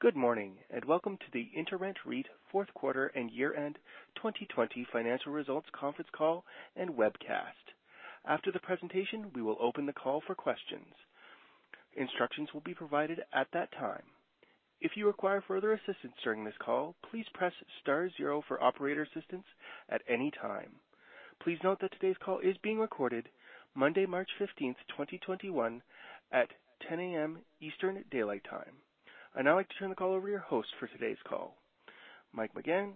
Good morning. Welcome to the InterRent REIT fourth quarter and year-end 2020 financial results conference call and webcast. After the presentation, we will open the call for questions. Instructions will be provided at that time. If you require further assistance during this call, please press star zero for operator assistance at any time. Please note that today's call is being recorded Monday, March 15th, 2021, at 10:00 A.M. Eastern Daylight Time. I'd now like to turn the call over to your host for today's call, Mike McGahan,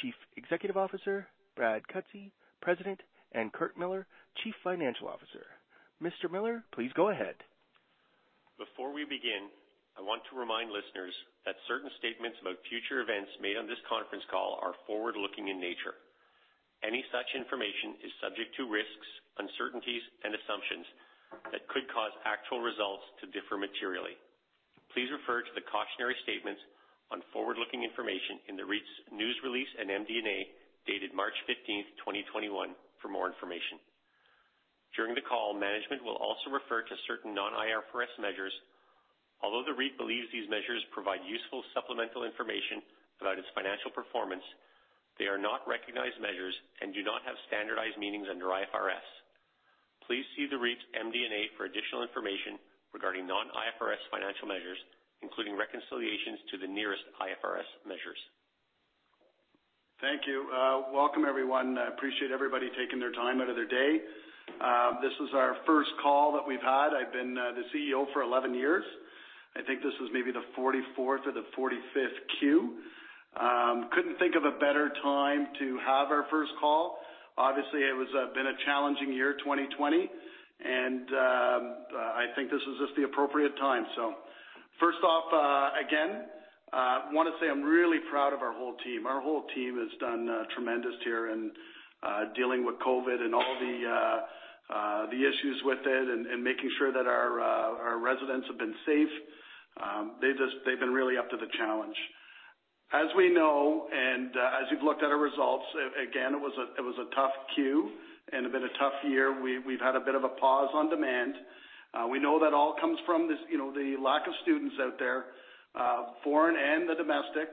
Chief Executive Officer, Brad Cutsey, President, and Curt Millar, Chief Financial Officer. Mr. Millar, please go ahead. Before we begin, I want to remind listeners that certain statements about future events made on this conference call are forward-looking in nature. Any such information is subject to risks, uncertainties, and assumptions that could cause actual results to differ materially. Please refer to the cautionary statements on forward-looking information in the REIT's news release and MD&A, dated March 15th, 2021 for more information. During the call, management will also refer to certain non-IFRS measures. Although the REIT believes these measures provide useful supplemental information about its financial performance, they are not recognized measures and do not have standardized meanings under IFRS. Please see the REIT's MD&A for additional information regarding non-IFRS financial measures, including reconciliations to the nearest IFRS measures. Thank you. Welcome, everyone. I appreciate everybody taking their time out of their day. This is our first call that we've had. I've been the CEO for 11 years. I think this is maybe the 44th or the 45th Q. Couldn't think of a better time to have our first call. Obviously, it has been a challenging year, 2020, and I think this is just the appropriate time. First off, again, want to say I'm really proud of our whole team. Our whole team has done tremendous here in dealing with COVID and all the issues with it and making sure that our residents have been safe. They've been really up to the challenge. As we know and as you've looked at our results, again, it was a tough Q and been a tough year. We've had a bit of a pause on demand. We know that all comes from the lack of students out there, foreign and the domestic.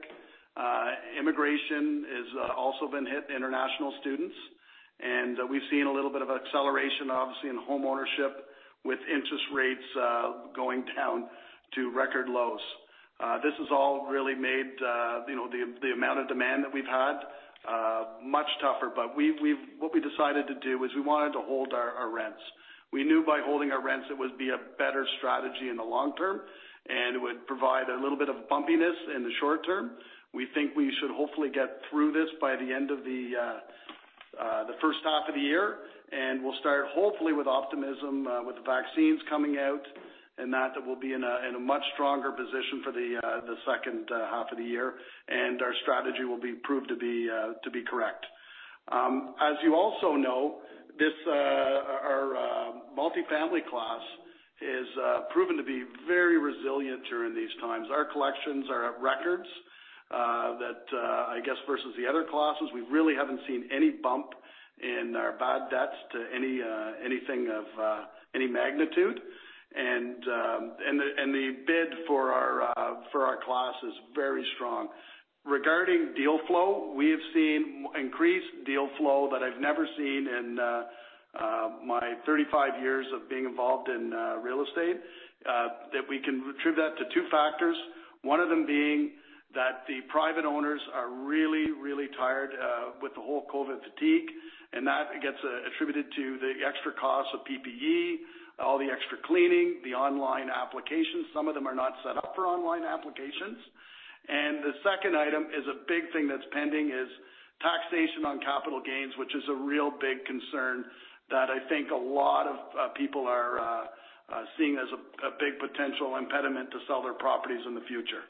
Immigration has also been hit, international students. We've seen a little bit of acceleration, obviously, in homeownership with interest rates going down to record lows. This has all really made the amount of demand that we've had much tougher. What we decided to do was we wanted to hold our rents. We knew by holding our rents, it would be a better strategy in the long term, and it would provide a little bit of bumpiness in the short term. We think we should hopefully get through this by the end of the first half of the year, and we'll start hopefully with optimism with the vaccines coming out, and that we'll be in a much stronger position for the second half of the year and our strategy will be proved to be correct. As you also know, our multifamily class has proven to be very resilient during these times. Our collections are at records that, I guess, versus the other classes, we really haven't seen any bump in our bad debts to anything of any magnitude. The bid for our class is very strong. Regarding deal flow, we have seen increased deal flow that I've never seen in my 35 years of being involved in real estate, that we can attribute that to two factors. One of them being that the private owners are really, really tired with the whole COVID fatigue, that gets attributed to the extra cost of PPE, all the extra cleaning, the online applications. Some of them are not set up for online applications. The second item is a big thing that's pending is taxation on capital gains, which is a real big concern that I think a lot of people are seeing as a big potential impediment to sell their properties in the future.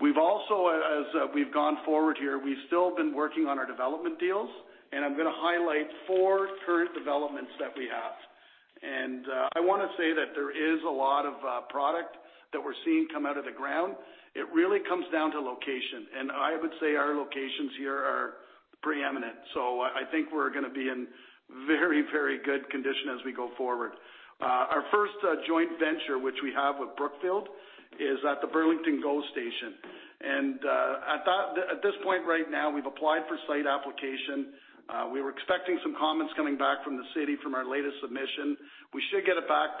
We've also, as we've gone forward here, we've still been working on our development deals, and I'm going to highlight four current developments that we have. I want to say that there is a lot of product that we're seeing come out of the ground. It really comes down to location, and I would say our locations here are preeminent. I think we're going to be in very, very good condition as we go forward. Our first joint venture, which we have with Brookfield, is at the Burlington GO Station. At this point right now, we've applied for site application. We were expecting some comments coming back from the city from our latest submission. We should get it back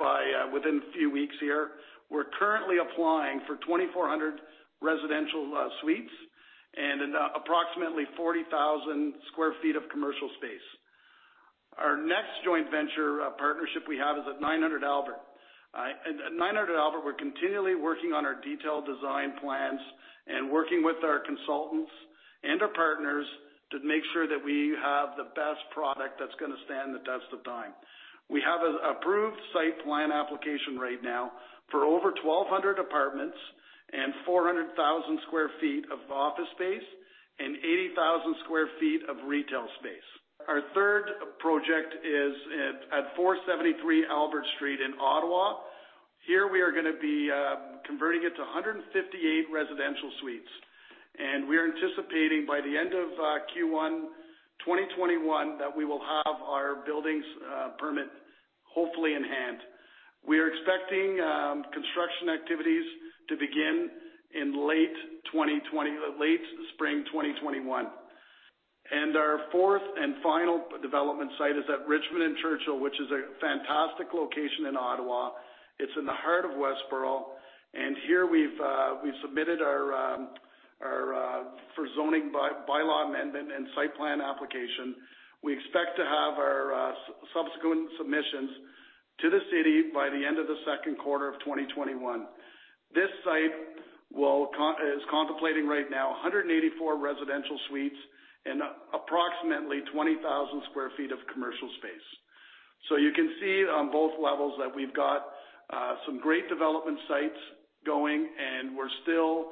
within a few weeks here. We're currently applying for 2,400 residential suites and approximately 40,000 sq ft of commercial space. Our next joint venture partnership we have is at 900 Albert. At 900 Albert, we're continually working on our detailed design plans and working with our consultants and our partners to make sure that we have the best product that's going to stand the test of time. We have an approved site plan application right now for over 1,200 apartments and 400,000 square feet of office space and 80,000 square feet of retail space. Our third project is at 473 Albert Street in Ottawa. Here we are going to be converting it to 158 residential suites. We are anticipating by the end of Q1 2021 that we will have our buildings permit, hopefully in hand. We are expecting construction activities to begin in late spring 2021. Our fourth and final development site is at Richmond and Churchill, which is a fantastic location in Ottawa. It's in the heart of Westboro, and here we've submitted for zoning bylaw amendment and site plan application. We expect to have our subsequent submissions to the city by the end of the second quarter of 2021. This site is contemplating right now 184 residential suites and approximately 20,000 square feet of commercial space. You can see on both levels that we've got some great development sites going and we're still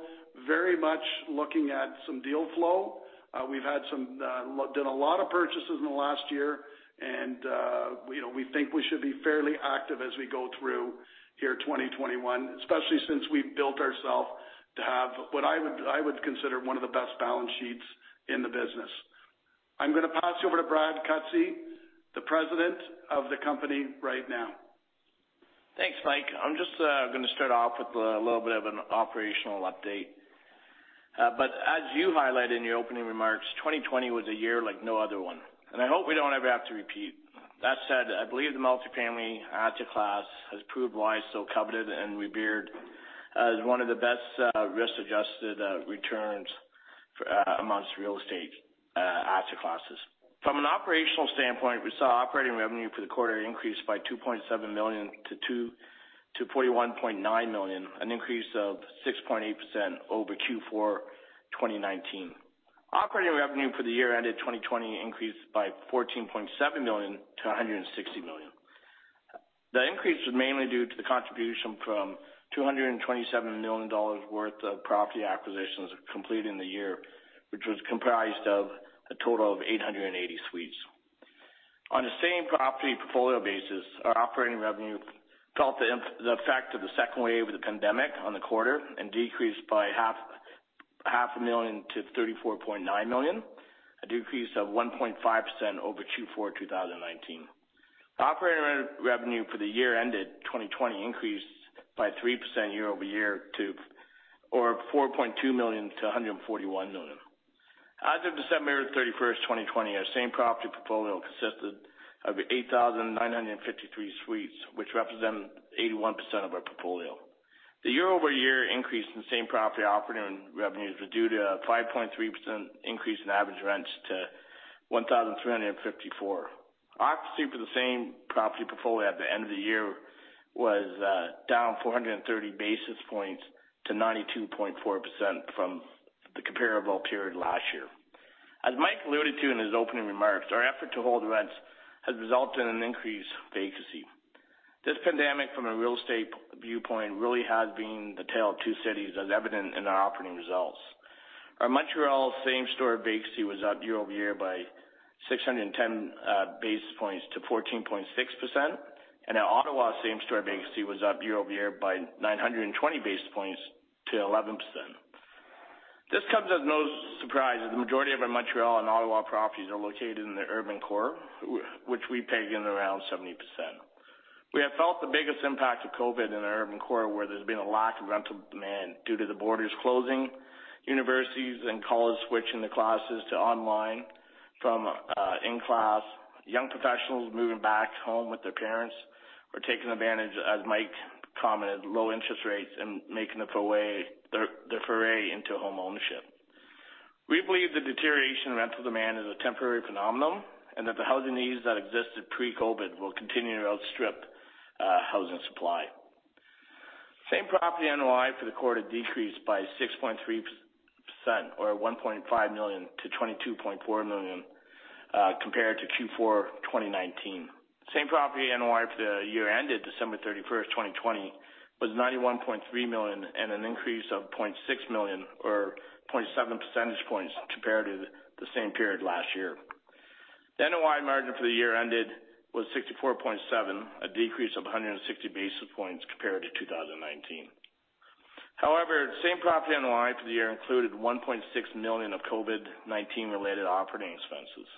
very much looking at some deal flow. We've done a lot of purchases in the last year and we think we should be fairly active as we go through here 2021, especially since we've built ourself to have what I would consider one of the best balance sheets in the business. I'm going to pass you over to Brad Cutsey, the President of the company right now. Thanks, Mike. I'm just going to start off with a little bit of an operational update. As you highlighted in your opening remarks, 2020 was a year like no other one, and I hope we don't ever have to repeat. That said, I believe the multifamily asset class has proved why it's so coveted and revered as one of the best risk-adjusted returns amongst real estate asset classes. From an operational standpoint, we saw operating revenue for the quarter increase by 2.7 million to 41.9 million, an increase of 6.8% over Q4 2019. Operating revenue for the year ended 2020 increased by 14.7 million to 160 million. The increase was mainly due to the contribution from CAD 227 million worth of property acquisitions completed in the year, which was comprised of a total of 880 suites. On the same property portfolio basis, our operating revenue felt the effect of the second wave of the pandemic on the quarter and decreased by half a million to 34.9 million, a decrease of 1.5% over Q4 2019. Operating revenue for the year ended 2020 increased by 3% year-over-year to 4.2 million to 141 million. As of December 31st, 2020, our same property portfolio consisted of 8,953 suites, which represent 81% of our portfolio. The year-over-year increase in same property operating revenues were due to a 5.3% increase in average rents to 1,354. Occupancy for the same property portfolio at the end of the year was down 430 basis points to 92.4% from the comparable period last year. As Mike alluded to in his opening remarks, our effort to hold rents has resulted in an increased vacancy. This pandemic, from a real estate viewpoint, really has been the tale of two cities, as evident in our operating results. Our Montreal same store vacancy was up year-over-year by 610 basis points to 14.6%, and our Ottawa same store vacancy was up year-over-year by 920 basis points to 11%. This comes as no surprise, as the majority of our Montreal and Ottawa properties are located in the urban core, which we peg in around 70%. We have felt the biggest impact of COVID in our urban core, where there's been a lack of rental demand due to the borders closing, universities and colleges switching the classes to online from in-class, young professionals moving back home with their parents or taking advantage, as Mike commented, low interest rates and making the foray into home ownership. We believe the deterioration in rental demand is a temporary phenomenon and that the housing needs that existed pre-COVID will continue to outstrip housing supply. Same property NOI for the quarter decreased by 6.3% or 1.5 million-22.4 million compared to Q4 2019. Same property NOI for the year ended December 31st, 2020, was 91.3 million and an increase of 0.6 million or 0.7 percentage points compared to the same period last year. The NOI margin for the year ended was 64.7%, a decrease of 160 basis points compared to 2019. However, same property NOI for the year included 1.6 million of COVID-19 related operating expenses.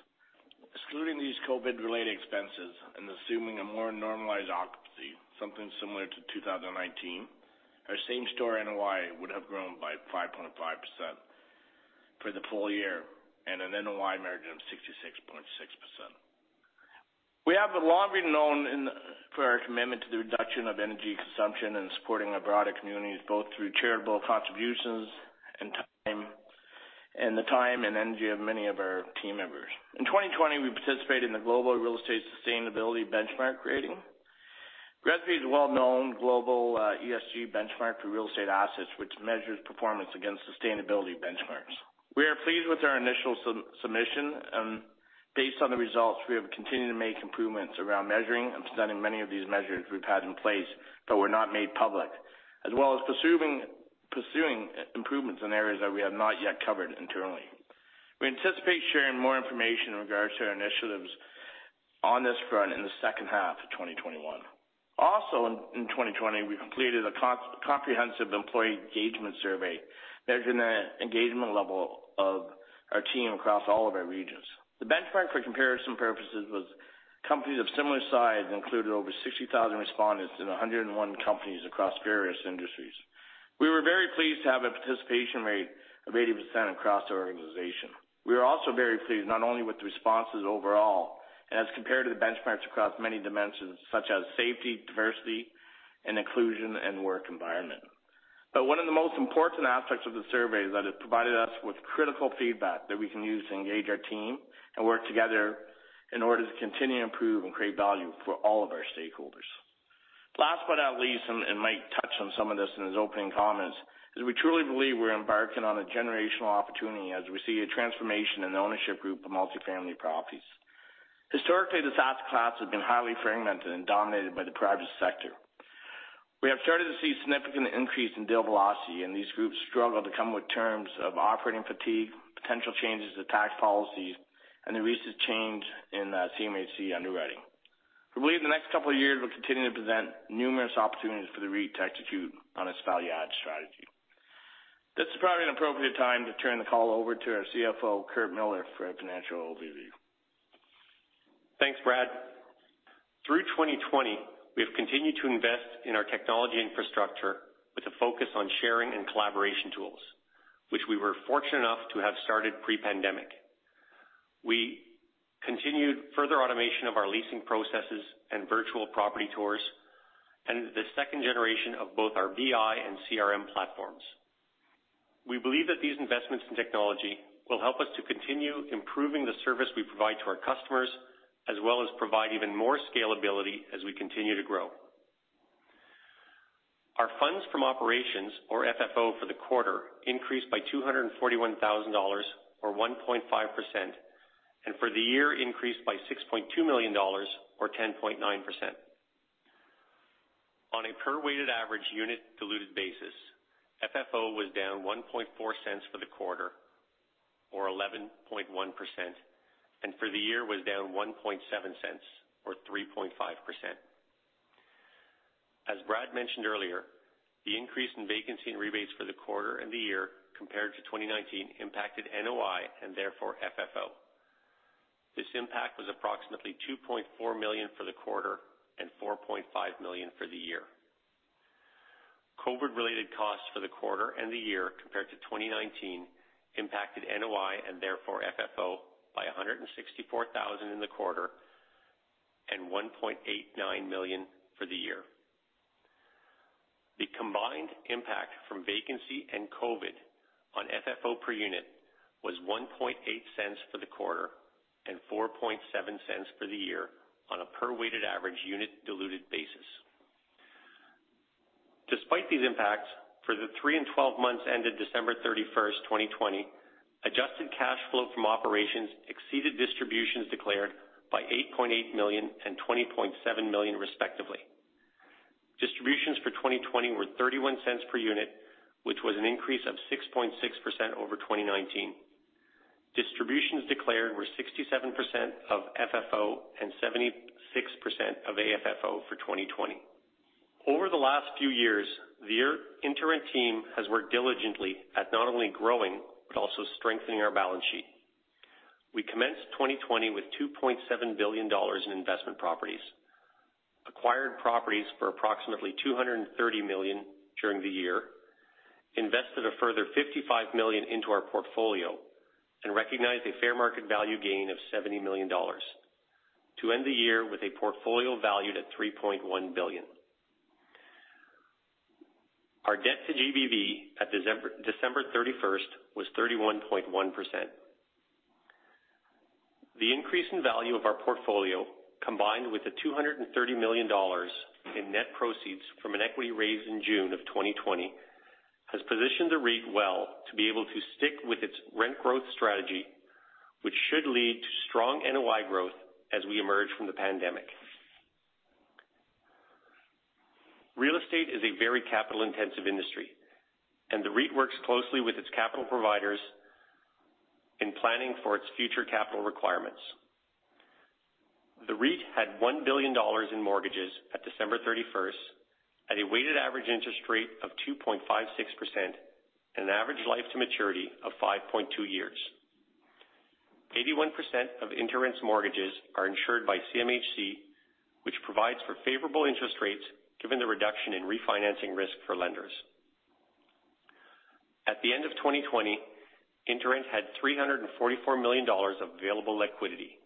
Excluding these COVID related expenses and assuming a more normalized occupancy, something similar to 2019, our same store NOI would have grown by 5.5% for the full year and an NOI margin of 66.6%. We have long been known for our commitment to the reduction of energy consumption and supporting our broader communities, both through charitable contributions and time, and the time and energy of many of our team members. In 2020, we participated in the Global Real Estate Sustainability Benchmark rating. GRESB is a well-known global ESG benchmark for real estate assets, which measures performance against sustainability benchmarks. We are pleased with our initial submission. Based on the results, we have continued to make improvements around measuring and presenting many of these measures we've had in place but were not made public, as well as pursuing improvements in areas that we have not yet covered internally. We anticipate sharing more information in regards to our initiatives on this front in the second half of 2021. Also in 2020, we completed a comprehensive employee engagement survey measuring the engagement level of our team across all of our regions. The benchmark for comparison purposes was companies of similar size and included over 60,000 respondents in 101 companies across various industries. We were very pleased to have a participation rate of 80% across our organization. We were also very pleased not only with the responses overall as compared to the benchmarks across many dimensions such as safety, diversity, and inclusion, and work environment. One of the most important aspects of the survey is that it provided us with critical feedback that we can use to engage our team and work together in order to continue to improve and create value for all of our stakeholders. Last but not least, Mike touched on some of this in his opening comments, is we truly believe we're embarking on a generational opportunity as we see a transformation in the ownership group of multifamily properties. Historically, this asset class has been highly fragmented and dominated by the private sector. We have started to see a significant increase in deal velocity, these groups struggle to come with terms of operating fatigue, potential changes to tax policies, and the recent change in CMHC underwriting. We believe the next couple of years will continue to present numerous opportunities for the REIT to execute on its value add strategy. This is probably an appropriate time to turn the call over to our CFO, Curt Millar, for a financial overview. Thanks, Brad. Through 2020, we have continued to invest in our technology infrastructure with a focus on sharing and collaboration tools, which we were fortunate enough to have started pre-pandemic. We continued further automation of our leasing processes and virtual property tours and the second generation of both our BI and CRM platforms. We believe that these investments in technology will help us to continue improving the service we provide to our customers, as well as provide even more scalability as we continue to grow. Our funds from operations or FFO for the quarter increased by 241,000 dollars, or 1.5%, and for the year increased by 6.2 million dollars or 10.9%. On a per weighted average unit diluted basis, FFO was down 0.014 for the quarter or 11.1%, and for the year was down 0.017 or 3.5%. As Brad mentioned earlier, the increase in vacancy and rebates for the quarter and the year compared to 2019 impacted NOI and therefore FFO. This impact was approximately 2.4 million for the quarter and 4.5 million for the year. COVID related costs for the quarter and the year compared to 2019 impacted NOI and therefore FFO by 164,000 in the quarter and 1.89 million for the year. The combined impact from vacancy and COVID on FFO per unit was 0.018 for the quarter and 0.047 for the year on a per weighted average unit diluted basis. Despite these impacts, for the three and 12 months ended December 31st, 2020, adjusted cash flow from operations exceeded distributions declared by 8.8 million and 20.7 million, respectively. Distributions for 2020 were 0.31 per unit, which was an increase of 6.6% over 2019. Distributions declared were 67% of FFO and 76% of AFFO for 2020. Over the last few years, the InterRent team has worked diligently at not only growing but also strengthening our balance sheet. We commenced 2020 with 2.7 billion dollars in investment properties, acquired properties for approximately 230 million during the year, invested a further 55 million into our portfolio, and recognized a fair market value gain of 70 million dollars to end the year with a portfolio valued at 3.1 billion. Our debt to GBV at December 31st was 31.1%. The increase in value of our portfolio, combined with the 230 million dollars in net proceeds from an equity raise in June of 2020, has positioned the REIT well to be able to stick with its rent growth strategy, which should lead to strong NOI growth as we emerge from the pandemic. Real estate is a very capital-intensive industry, and the REIT works closely with its capital providers in planning for its future capital requirements. The REIT had 1 billion dollars in mortgages at December 31st at a weighted average interest rate of 2.56% and an average life to maturity of 5.2 years. 81% of InterRent's mortgages are insured by CMHC, which provides for favorable interest rates given the reduction in refinancing risk for lenders. At the end of 2020, InterRent had 344 million dollars of available liquidity.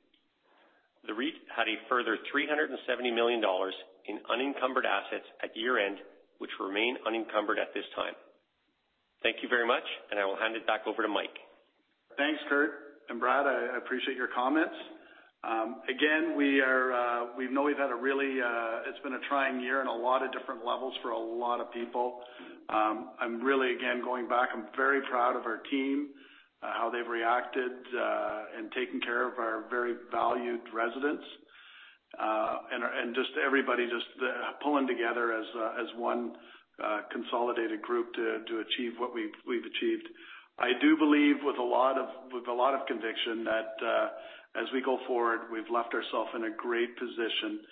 The REIT had a further 370 million dollars in unencumbered assets at year-end, which remain unencumbered at this time. Thank you very much, and I will hand it back over to Mike. Thanks, Curt and Brad. I appreciate your comments. Again, we know it's been a trying year on a lot of different levels for a lot of people. I'm really, again, going back, I'm very proud of our team, how they've reacted, and taken care of our very valued residents. Just everybody just pulling together as one consolidated group to achieve what we've achieved. I do believe with a lot of conviction that as we go forward, we've left ourself in a great position,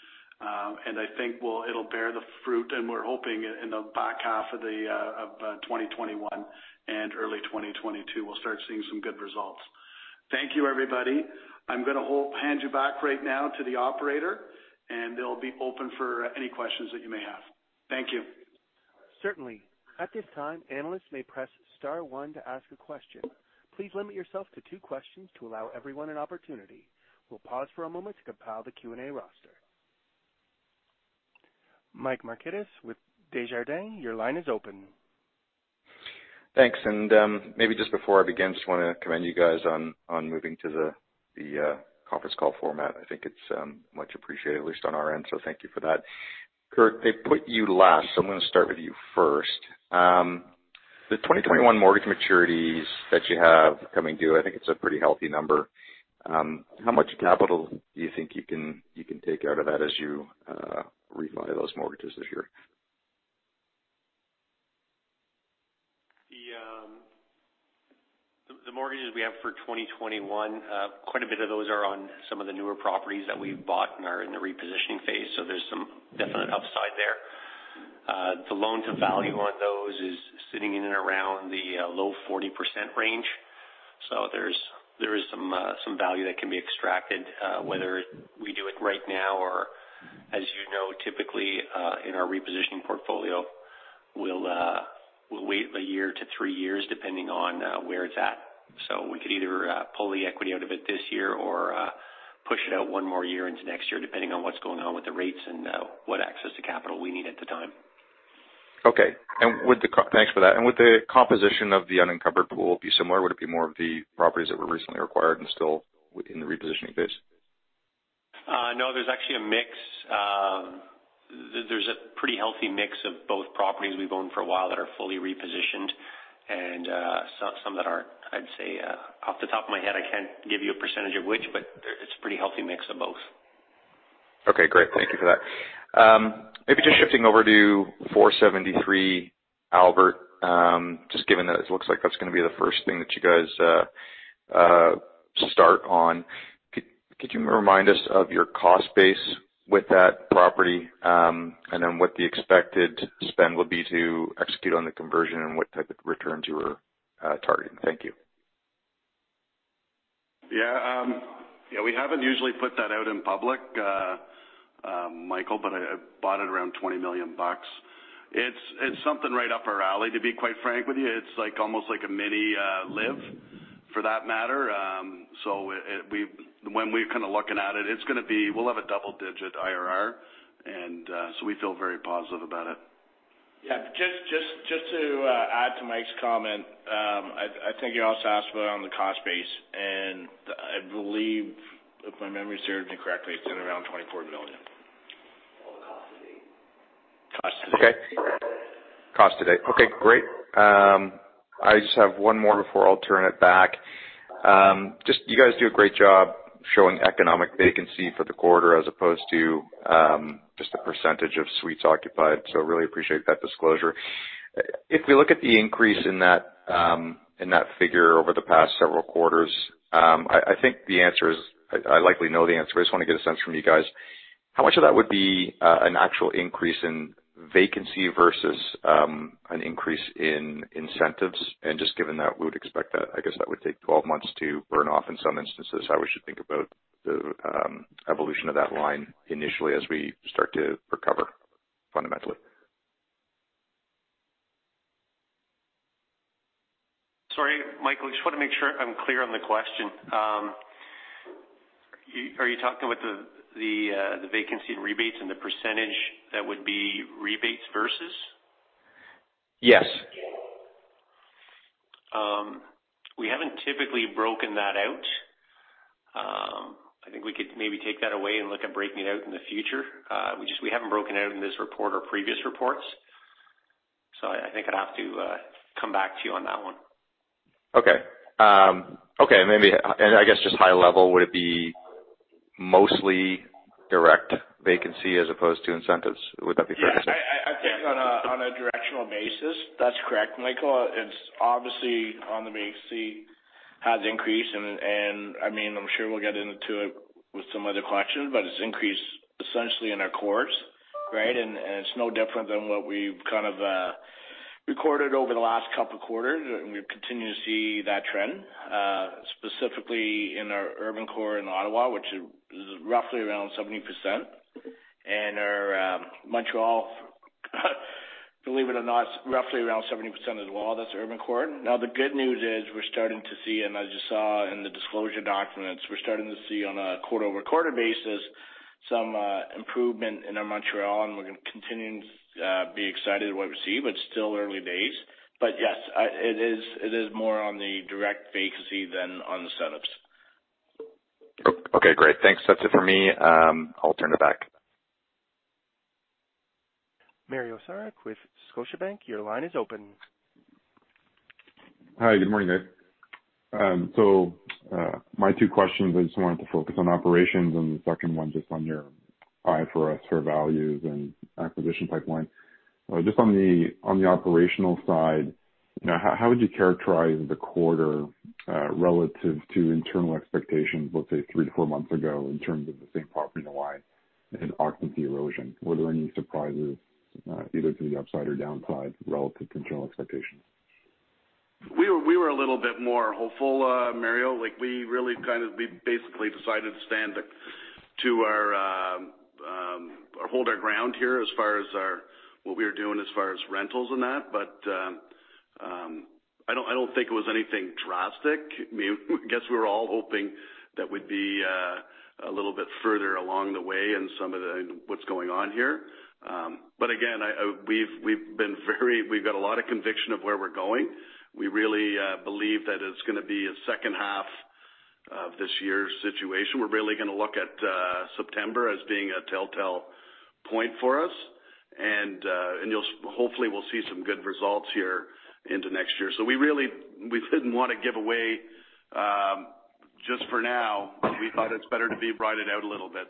and I think it'll bear the fruit, and we're hoping in the back half of 2021 and early 2022, we'll start seeing some good results. Thank you, everybody. I'm going to hand you back right now to the operator, and they'll be open for any questions that you may have. Thank you. Certainly. At this time, analysts may press star one to ask a question. Please limit yourself to two questions to allow everyone an opportunity. We'll pause for a moment to compile the Q&A roster. Michael Markidis with Desjardins, your line is open. Thanks. Maybe just before I begin, just want to commend you guys on moving to the conference call format. I think it's much appreciated, at least on our end, so thank you for that. Curt, they put you last, so I'm going to start with you first. The 2021 mortgage maturities that you have coming due, I think it's a pretty healthy number. How much capital do you think you can take out of that as you refi those mortgages this year? The mortgages we have for 2021, quite a bit of those are on some of the newer properties that we've bought and are in the repositioning phase. There's some definite upside there. The loan-to-value on those is sitting in and around the low 40% range. There is some value that can be extracted, whether we do it right now or, as you know, typically, in our repositioning portfolio, we'll wait a year to three years depending on where it's at. We could either pull the equity out of it this year or push it out one more year into next year, depending on what's going on with the rates and what access to capital we need at the time. Okay. Thanks for that. Would the composition of the unencumbered pool be similar? Would it be more of the properties that were recently acquired and still in the repositioning phase? No, there's actually a mix. There's a pretty healthy mix of both properties we've owned for a while that are fully repositioned and some that aren't. I'd say, off the top of my head, I can't give you a percentage of which, but it's a pretty healthy mix of both. Okay, great. Thank you for that. Maybe just shifting over to 473 Albert, just given that it looks like that's going to be the first thing that you guys start on. Could you remind us of your cost base with that property, and then what the expected spend would be to execute on the conversion and what type of returns you were targeting? Thank you. Yeah. We haven't usually put that out in public, Michael, I bought it around 20 million bucks. It's something right up our alley, to be quite frank with you. It's almost like a mini LIV for that matter. When we're kind of looking at it, we'll have a double-digit IRR, we feel very positive about it. Yeah. Just to add to Mike's comment, I think you also asked about on the cost base, and I believe if my memory serves me correctly, it's at around 24 million. Cost to date. Okay. Cost to date. Okay, great. I just have one more before I'll turn it back. You guys do a great job showing economic vacancy for the quarter as opposed to just a percentage of suites occupied. Really appreciate that disclosure. If we look at the increase in that figure over the past several quarters, I likely know the answer. I just want to get a sense from you guys. How much of that would be an actual increase in vacancy versus an increase in incentives? Just given that we would expect that, I guess that would take 12 months to burn off in some instances, how we should think about the evolution of that line initially as we start to recover fundamentally. Sorry, Michael, I just want to make sure I'm clear on the question. Are you talking about the vacancy and rebates and the percentage that would be rebates versus? Yes. We haven't typically broken that out. I think we could maybe take that away and look at breaking it out in the future. We haven't broken out in this report or previous reports. I think I'd have to come back to you on that one. Okay. I guess just high level, would it be mostly direct vacancy as opposed to incentives? Would that be fair to say? Yeah. I think on a directional basis, that's correct, Michael. It's obviously on the vacancy has increased, I'm sure we'll get into it with some other questions, it's increased essentially in our cores, right? It's no different than what we've kind of recorded over the last couple of quarters, we continue to see that trend, specifically in our urban core in Ottawa, which is roughly around 70%. Our Montreal believe it or not, roughly around 70% as well. That's urban core. Now, the good news is we're starting to see, as you saw in the disclosure documents, we're starting to see on a quarter-over-quarter basis some improvement in our Montreal, we're going to continue to be excited at what we see, still early days. Yes, it is more on the direct vacancy than on the setups. Okay, great. Thanks. That's it for me. I'll turn it back. Mario Saric with Scotiabank, your line is open. Hi, good morning, guys. My two questions, I just wanted to focus on operations and the second one just on your IFRS Fair Value and acquisition pipeline. Just on the operational side, how would you characterize the quarter, relative to internal expectations, let's say three to four months ago, in terms of the same property NOI and occupancy erosion? Were there any surprises, either to the upside or downside, relative to internal expectations? We were a little bit more hopeful, Mario. We basically decided to hold our ground here as far as what we were doing as far as rentals and that. I don't think it was anything drastic. I guess we were all hoping that we'd be a little bit further along the way in some of what's going on here. Again, we've got a lot of conviction of where we're going. We really believe that it's going to be a second half of this year situation. We're really going to look at September as being a telltale point for us. Hopefully we'll see some good results here into next year. We didn't want to give away just for now. We thought it's better to be ride it out a little bit.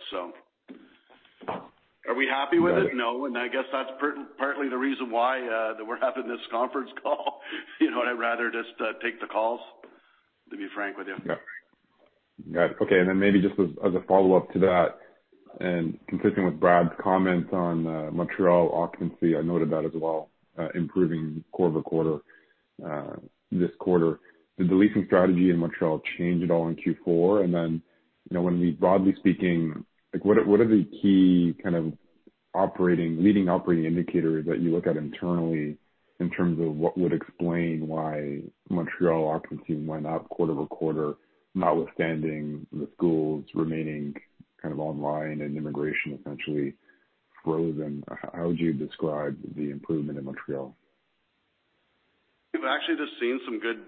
Are we happy with it? No, I guess that's partly the reason why that we're having this conference call. I'd rather just take the calls, to be frank with you. Got it. Okay, maybe just as a follow-up to that, and consistent with Brad's comments on Montreal occupancy, I noted that as well, improving quarter-over-quarter this quarter. Did the leasing strategy in Montreal change at all in Q4? Broadly speaking, what are the key leading operating indicators that you look at internally in terms of what would explain why Montreal occupancy went up quarter-over-quarter, notwithstanding the schools remaining online and immigration essentially frozen? How would you describe the improvement in Montreal? We've actually just seen some good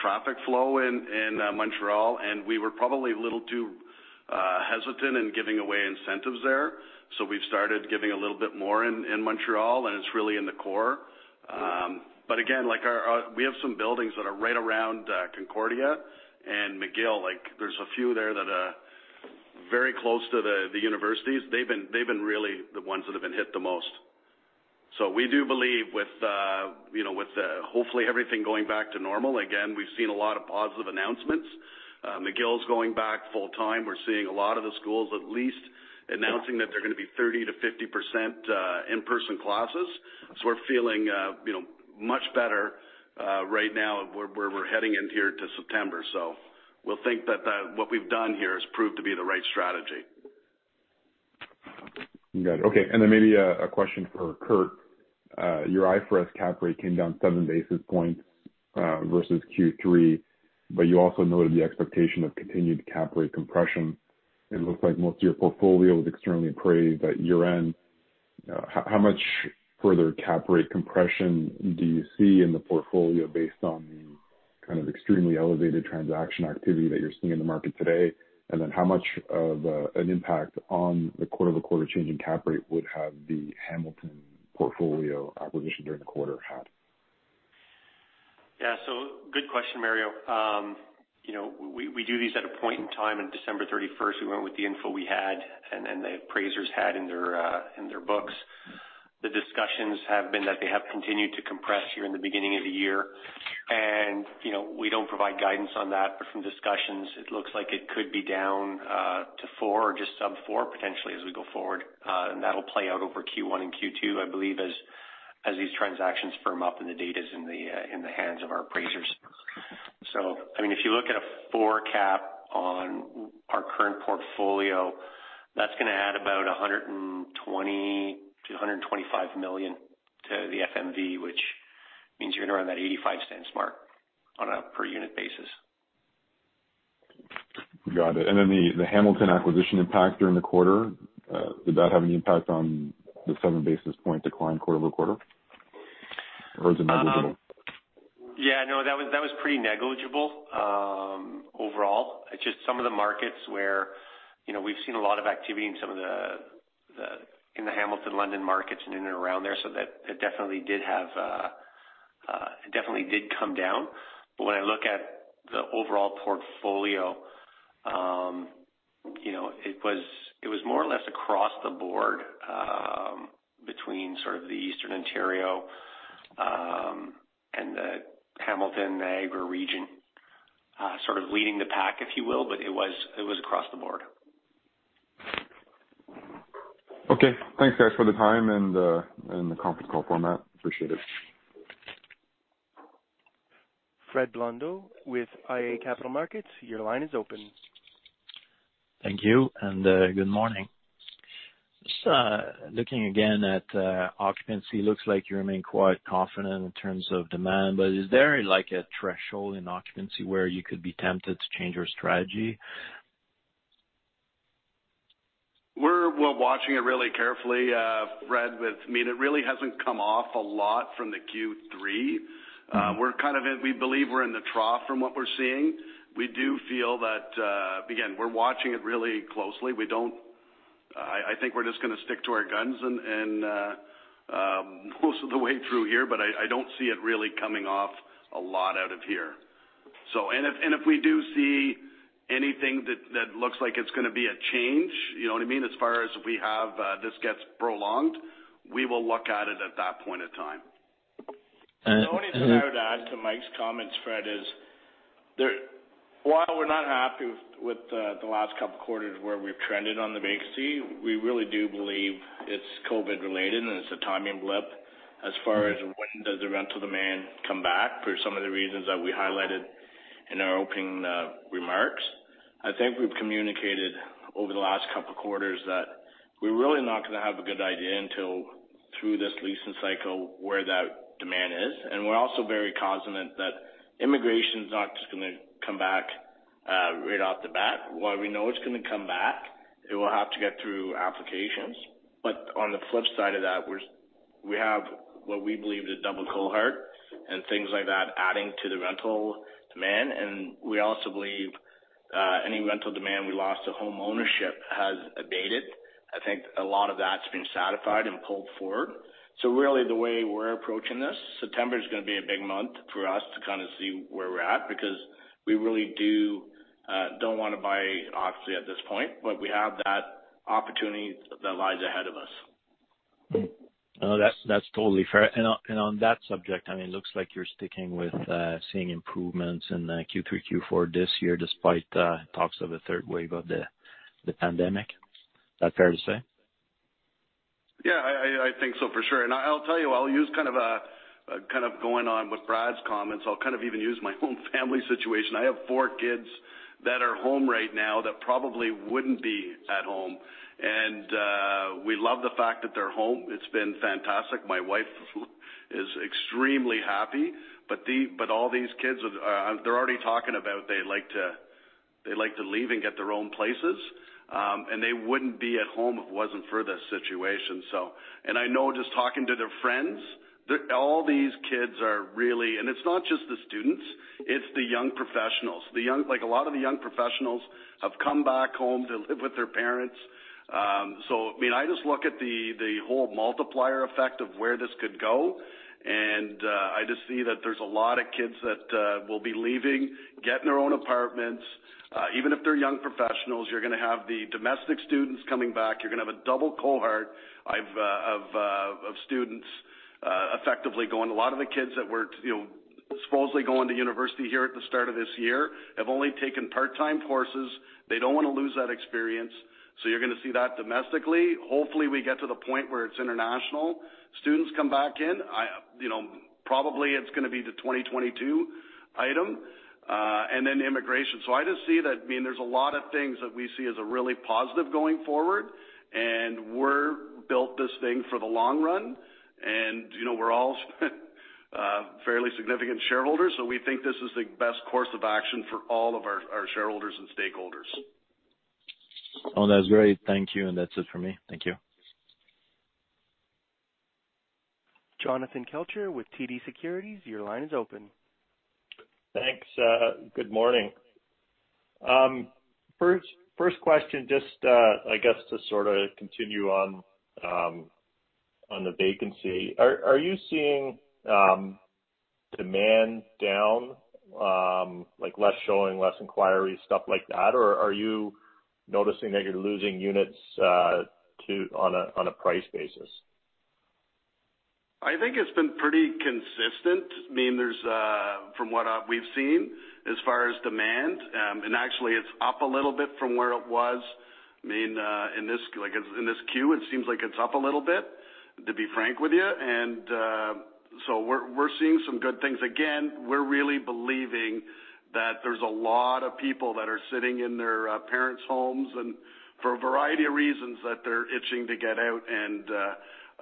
traffic flow in Montreal, and we were probably a little too hesitant in giving away incentives there. We've started giving a little bit more in Montreal, and it's really in the core. Again, we have some buildings that are right around Concordia and McGill. There's a few there that are very close to the universities. They've been really the ones that have been hit the most. We do believe with hopefully everything going back to normal. Again, we've seen a lot of positive announcements. McGill's going back full time. We're seeing a lot of the schools at least announcing that they're going to be 30%-50% in-person classes. We're feeling much better right now where we're heading in here to September. We'll think that what we've done here has proved to be the right strategy. Got it. Okay, maybe a question for Curt. Your IFRS cap rate came down seven basis points versus Q3, but you also noted the expectation of continued cap rate compression. It looks like most of your portfolio was externally appraised at year-end. How much further cap rate compression do you see in the portfolio based on the extremely elevated transaction activity that you're seeing in the market today? How much of an impact on the quarter-over-quarter change in cap rate would have the Hamilton portfolio acquisition during the quarter had? Good question, Mario. We do these at a point in time. On December 31st, we went with the info we had and the appraisers had in their books. The discussions have been that they have continued to compress here in the beginning of the year. We don't provide guidance on that, but from discussions, it looks like it could be down to four or just sub four potentially as we go forward. That'll play out over Q1 and Q2, I believe, as these transactions firm up and the data's in the hands of our appraisers. If you look at a four cap on our current portfolio, that's going to add about 120 million-125 million to the FMV, which means you're going to run that 0.85 mark on a per unit basis. Got it. Then the Hamilton acquisition impact during the quarter, did that have any impact on the seven basis point decline quarter-over-quarter? Or is it negligible? Yeah, no, that was pretty negligible overall. It's just some of the markets where we've seen a lot of activity in the Hamilton, London markets and in and around there, so that definitely did come down. When I look at the overall portfolio, it was more or less across the board between sort of the Eastern Ontario and the Hamilton, Niagara region sort of leading the pack, if you will. It was across the board. Okay. Thanks, guys, for the time and the conference call format. Appreciate it. Fred Blondeau with iA Capital Markets, your line is open. Thank you. Good morning. Just looking again at occupancy, looks like you remain quite confident in terms of demand, but is there a threshold in occupancy where you could be tempted to change your strategy? We're watching it really carefully, Fred. It really hasn't come off a lot from the Q3. We believe we're in the trough from what we're seeing. We do feel that, again, we're watching it really closely. I think we're just going to stick to our guns most of the way through here, but I don't see it really coming off a lot out of here. If we do see anything that looks like it's going to be a change, you know what I mean, as far as this gets prolonged, we will look at it at that point of time. The only thing I would add to Mike's comments, Fred, is while we're not happy with the last couple of quarters where we've trended on the vacancy, we really do believe it's COVID related and it's a timing blip. As far as when does the rental demand come back, for some of the reasons that we highlighted in our opening remarks, I think we've communicated over the last couple of quarters that we're really not going to have a good idea until through this leasing cycle where that demand is. We're also very cognizant that immigration's not just going to come back right off the bat. While we know it's going to come back, it will have to get through applications. On the flip side of that, we have what we believe is a double cohort and things like that adding to the rental demand. We also believe, any rental demand we lost to home ownership has abated. I think a lot of that's been satisfied and pulled forward. Really the way we're approaching this, September is going to be a big month for us to see where we're at, because we really don't want to buy occupancy at this point, but we have that opportunity that lies ahead of us. That's totally fair. On that subject, it looks like you're sticking with seeing improvements in Q3, Q4 this year despite talks of a third wave of the pandemic. Is that fair to say? Yeah, I think so for sure. I'll tell you, going on with Brad's comments, I'll even use my own family situation. I have four kids that are home right now that probably wouldn't be at home. We love the fact that they're home. It's been fantastic. My wife is extremely happy. All these kids are already talking about they'd like to leave and get their own places. They wouldn't be at home if it wasn't for this situation. I know just talking to their friends, all these kids are really, and it's not just the students, it's the young professionals. A lot of the young professionals have come back home to live with their parents. I just look at the whole multiplier effect of where this could go. I just see that there's a lot of kids that will be leaving, getting their own apartments. Even if they're young professionals, you're going to have the domestic students coming back. You're going to have a double cohort of students effectively going. A lot of the kids that were supposedly going to university here at the start of this year, have only taken part-time courses. They don't want to lose that experience. You're going to see that domestically. Hopefully, we get to the point where it's international students come back in. Probably it's going to be the 2022 item, and then immigration. I just see that there's a lot of things that we see as a really positive going forward, and we built this thing for the long run. We're all fairly significant shareholders, so we think this is the best course of action for all of our shareholders and stakeholders. That's great. Thank you. That's it for me. Thank you. Jonathan Kelcher with TD Securities, your line is open. Thanks. Good morning. First question, just to sort of continue on the vacancy. Are you seeing demand down, like less showing, less inquiries, stuff like that, or are you noticing that you're losing units on a price basis? I think it's been pretty consistent from what we've seen as far as demand. Actually, it's up a little bit from where it was. In this Q, it seems like it's up a little bit, to be frank with you. We're seeing some good things. Again, we're really believing that there's a lot of people that are sitting in their parents' homes, and for a variety of reasons that they're itching to get out.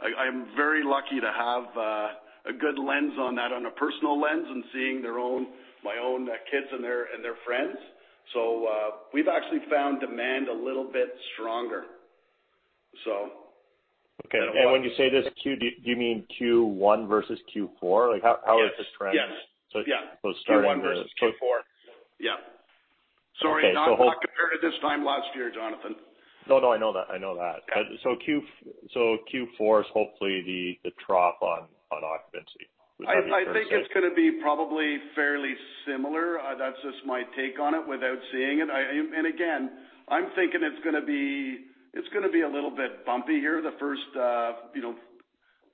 I'm very lucky to have a good lens on that on a personal lens and seeing my own kids and their friends. We've actually found demand a little bit stronger. Okay. When you say this Q, do you mean Q1 versus Q4? Like how is this trend- Yes. Starting with Q4. Yeah. Sorry, not compared to this time last year, Jonathan. No, I know that. Q4 is hopefully the trough on occupancy. Would that be fair to say? I think it's going to be probably fairly similar. That's just my take on it without seeing it. Again, I'm thinking it's going to be a little bit bumpy here the first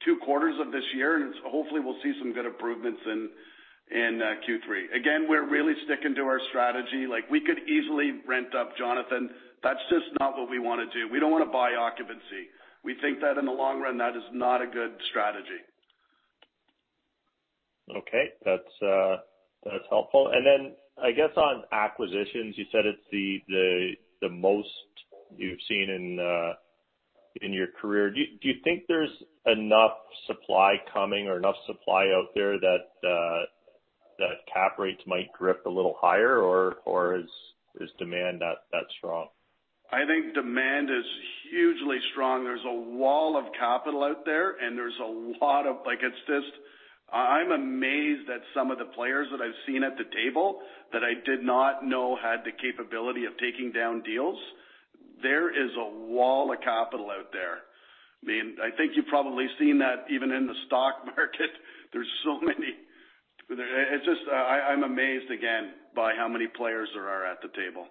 two quarters of this year, and hopefully we'll see some good improvements in Q3. Again, we're really sticking to our strategy. We could easily rent up, Jonathan. That's just not what we want to do. We don't want to buy occupancy. We think that in the long run, that is not a good strategy. Okay. That's helpful. Then I guess on acquisitions, you said it's the most you've seen in your career. Do you think there's enough supply coming or enough supply out there that cap rates might drift a little higher, or is demand that strong? I think demand is hugely strong. There's a wall of capital out there, and I'm amazed at some of the players that I've seen at the table that I did not know had the capability of taking down deals. There is a wall of capital out there. I think you've probably seen that even in the stock market. I'm amazed again by how many players there are at the table.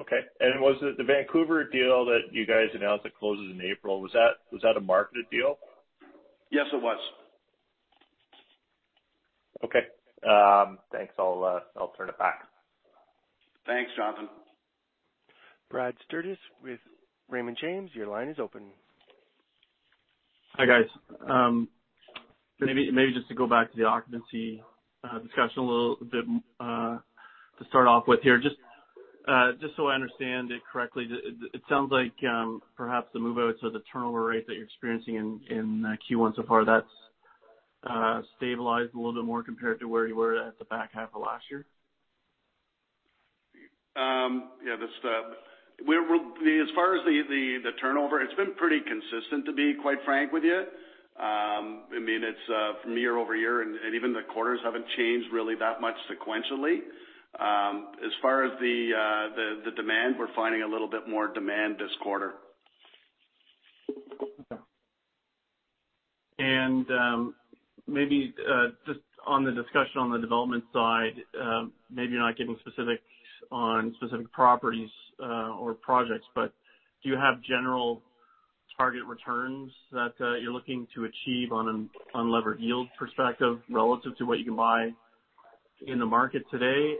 Okay. Was it the Vancouver deal that you guys announced that closes in April, was that a marketed deal? Yes, it was. Okay. Thanks. I'll turn it back. Thanks, Jonathan. Brad Sturges with Raymond James, your line is open. Hi, guys. Maybe just to go back to the occupancy discussion a little bit, to start off with here, just so I understand it correctly, it sounds like perhaps the move-outs or the turnover rate that you're experiencing in Q1 so far, that's stabilized a little bit more compared to where you were at the back half of last year? Yeah. As far as the turnover, it's been pretty consistent, to be quite frank with you. From year-over-year, and even the quarters haven't changed really that much sequentially. As far as the demand, we're finding a little bit more demand this quarter. Okay. Maybe just on the discussion on the development side, maybe you're not giving specifics on specific properties or projects, but do you have general target returns that you're looking to achieve on an unlevered yield perspective relative to what you can buy in the market today?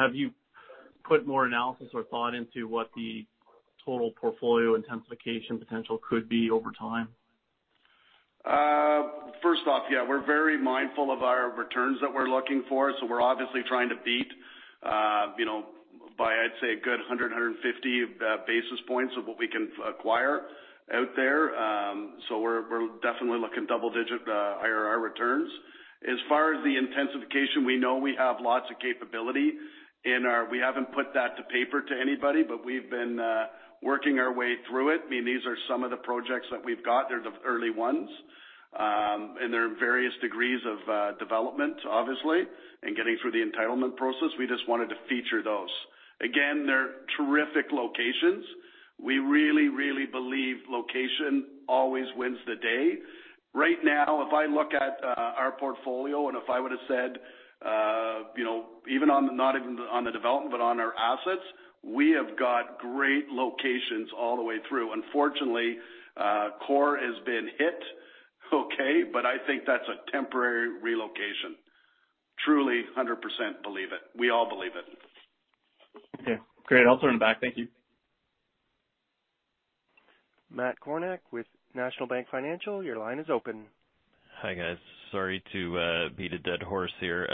Have you put more analysis or thought into what the total portfolio intensification potential could be over time? First off, yeah, we're very mindful of our returns that we're looking for. We're obviously trying to beat by, I'd say, a good 150 basis points of what we can acquire out there. We're definitely looking at double-digit IRR returns. As far as the intensification, we know we have lots of capability. We haven't put that to paper to anybody, but we've been working our way through it. These are some of the projects that we've got. They're the early ones, and they're in various degrees of development, obviously. Getting through the entitlement process, we just wanted to feature those. Again, they're terrific locations. We really believe location always wins the day. Right now, if I look at our portfolio, and if I would've said, not even on the development, but on our assets, we have got great locations all the way through. Unfortunately, CORE has been hit okay. I think that's a temporary relocation. Truly, 100% believe it. We all believe it. Okay, great. I'll turn it back. Thank you. Matt Kornack with National Bank Financial, your line is open. Hi, guys. Sorry to beat a dead horse here.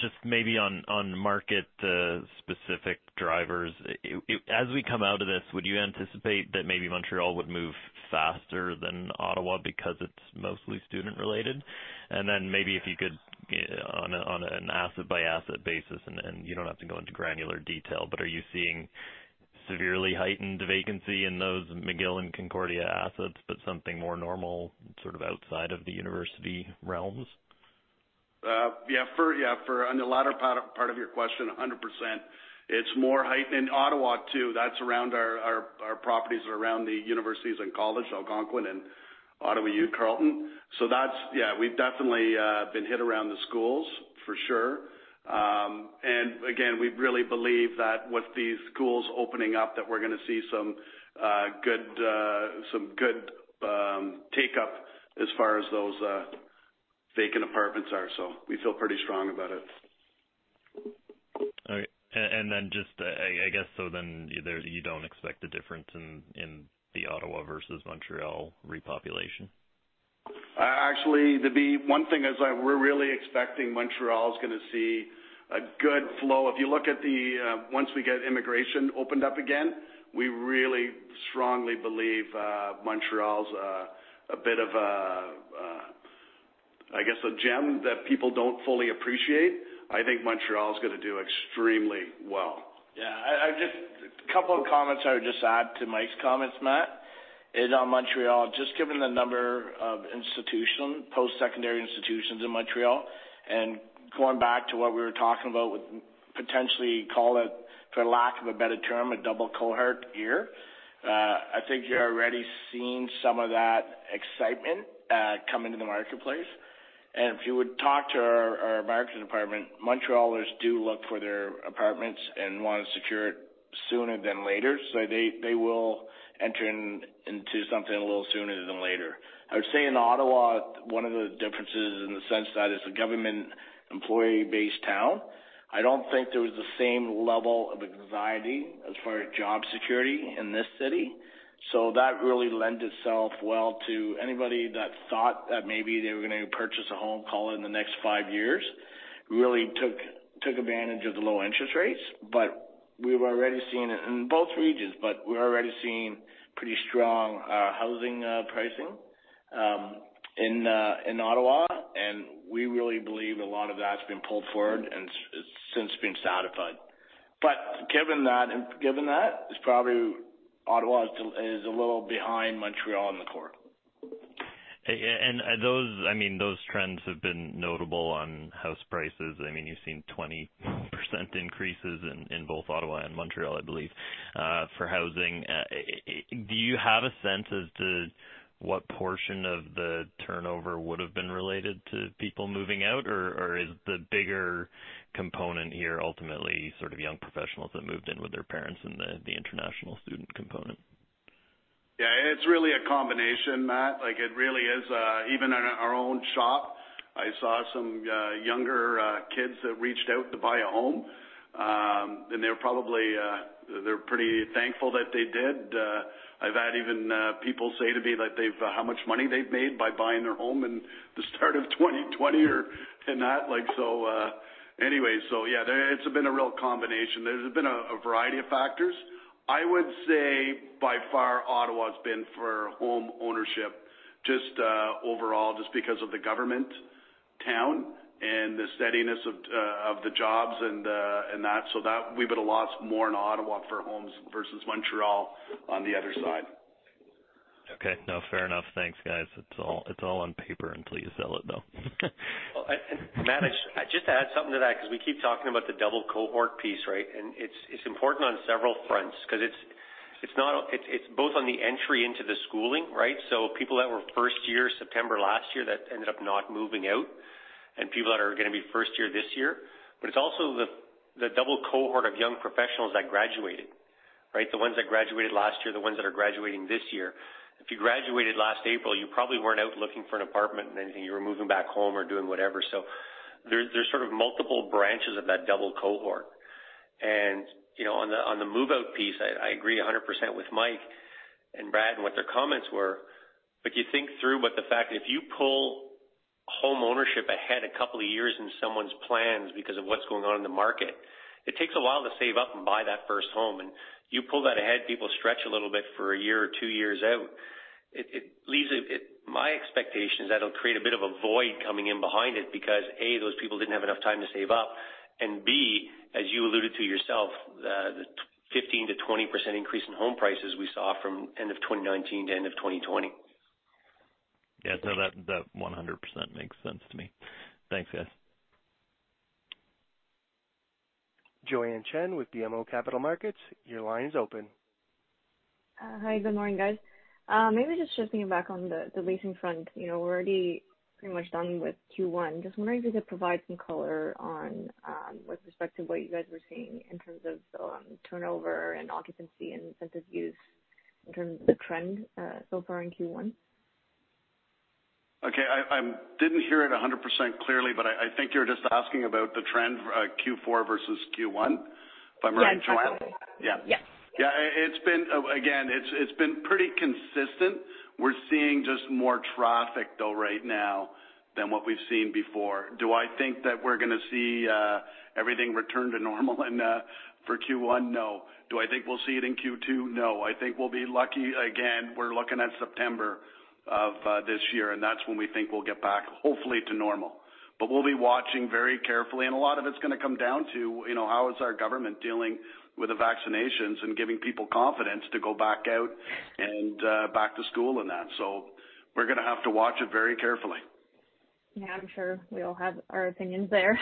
Just maybe on market-specific drivers, as we come out of this, would you anticipate that maybe Montreal would move faster than Ottawa because it's mostly student-related? Then maybe if you could, on an asset-by-asset basis, and you don't have to go into granular detail, but are you seeing severely heightened vacancy in those McGill and Concordia assets, but something more normal outside of the university realms? Yeah. On the latter part of your question, 100%. It's more heightened in Ottawa, too. That's around our properties around the universities and college, Algonquin and Ottawa U Carleton. We've definitely been hit around the schools for sure. Again, we really believe that with these schools opening up, that we're going to see some good take-up as far as those vacant apartments are. We feel pretty strong about it. All right. Just, I guess you don't expect a difference in the Ottawa versus Montreal repopulation? Actually, the one thing is that we're really expecting Montreal is going to see a good flow. Once we get immigration opened up again, we really strongly believe Montreal is a bit of a gem that people don't fully appreciate. I think Montreal is going to do extremely well. Yeah. A couple of comments I would just add to Mike's comments, Matt, is on Montreal, just given the number of post-secondary institutions in Montreal, and going back to what we were talking about with potentially, call it, for lack of a better term, a double cohort year. I think you're already seeing some of that excitement come into the marketplace. If you would talk to our marketing department, Montrealers do look for their apartments and want to secure it sooner than later. They will enter into something a little sooner than later. I would say in Ottawa, one of the differences in the sense that it's a government employee-based town, I don't think there was the same level of anxiety as far as job security in this city. That really lent itself well to anybody that thought that maybe they were going to purchase a home, call it in the next five years, really took advantage of the low interest rates. We've already seen it in both regions. We're already seeing pretty strong housing pricing in Ottawa, and we really believe a lot of that's been pulled forward and since been satisfied. Given that, it's probably Ottawa is a little behind Montreal in the cohort. Those trends have been notable on house prices. You've seen 20% increases in both Ottawa and Montreal, I believe, for housing. Do you have a sense as to what portion of the turnover would've been related to people moving out, or is the bigger component here ultimately young professionals that moved in with their parents and the international student component? Yeah. It's really a combination, Matt. It really is. Even in our own shop, I saw some younger kids that reached out to buy a home. They're pretty thankful that they did. I've had even people say to me how much money they've made by buying their home in the start of 2020 or not. Anyways, yeah, it's been a real combination. There's been a variety of factors. I would say by far Ottawa has been for home ownership just overall, just because of the government town and the steadiness of the jobs and that. That we've had a lot more in Ottawa for homes versus Montreal on the other side. Okay. No, fair enough. Thanks, guys. It's all on paper until you sell it, though. Matt, just to add something to that, because we keep talking about the double cohort piece, right? It's important on several fronts because it's both on the entry into the schooling, right? People that were first year September last year that ended up not moving out, and people that are going to be first year this year. It's also the double cohort of young professionals that graduated, right? The ones that graduated last year, the ones that are graduating this year. If you graduated last April, you probably weren't out looking for an apartment and anything. You were moving back home or doing whatever. There's sort of multiple branches of that double cohort. On the move-out piece, I agree 100% with Mike and Brad and what their comments were. You think through what the fact, if you pull home ownership ahead a couple of years in someone's plans because of what's going on in the market, it takes a while to save up and buy that first home. You pull that ahead, people stretch a little bit for a year or two years out. My expectation is that'll create a bit of a void coming in behind it because, A, those people didn't have enough time to save up. B, as you alluded to yourself, the 15%-20% increase in home prices we saw from end of 2019 to end of 2020. Yeah. No, that 100% makes sense to me. Thanks, guys. Joanne Chen with BMO Capital Markets, your line's open. Hi. Good morning, guys. Maybe just shifting back on the leasing front. We're already pretty much done with Q1. Just wondering if you could provide some color on with respect to what you guys were seeing in terms of turnover and occupancy and incentive use in terms of the trend so far in Q1. Okay. I didn't hear it 100% clearly, but I think you're just asking about the trend for Q4 versus Q1, if I'm right, Joanne? Yeah, exactly. Yeah. Yeah. Again, it's been pretty consistent. We're seeing just more traffic though right now than what we've seen before. Do I think that we're going to see everything return to normal for Q1? No. Do I think we'll see it in Q2? No. I think we'll be lucky. Again, we're looking at September of this year, and that's when we think we'll get back, hopefully, to normal. We'll be watching very carefully, and a lot of it's going to come down to how is our government dealing with the vaccinations and giving people confidence to go back out and back to school and that. We're going to have to watch it very carefully. Yeah. I'm sure we all have our opinions there.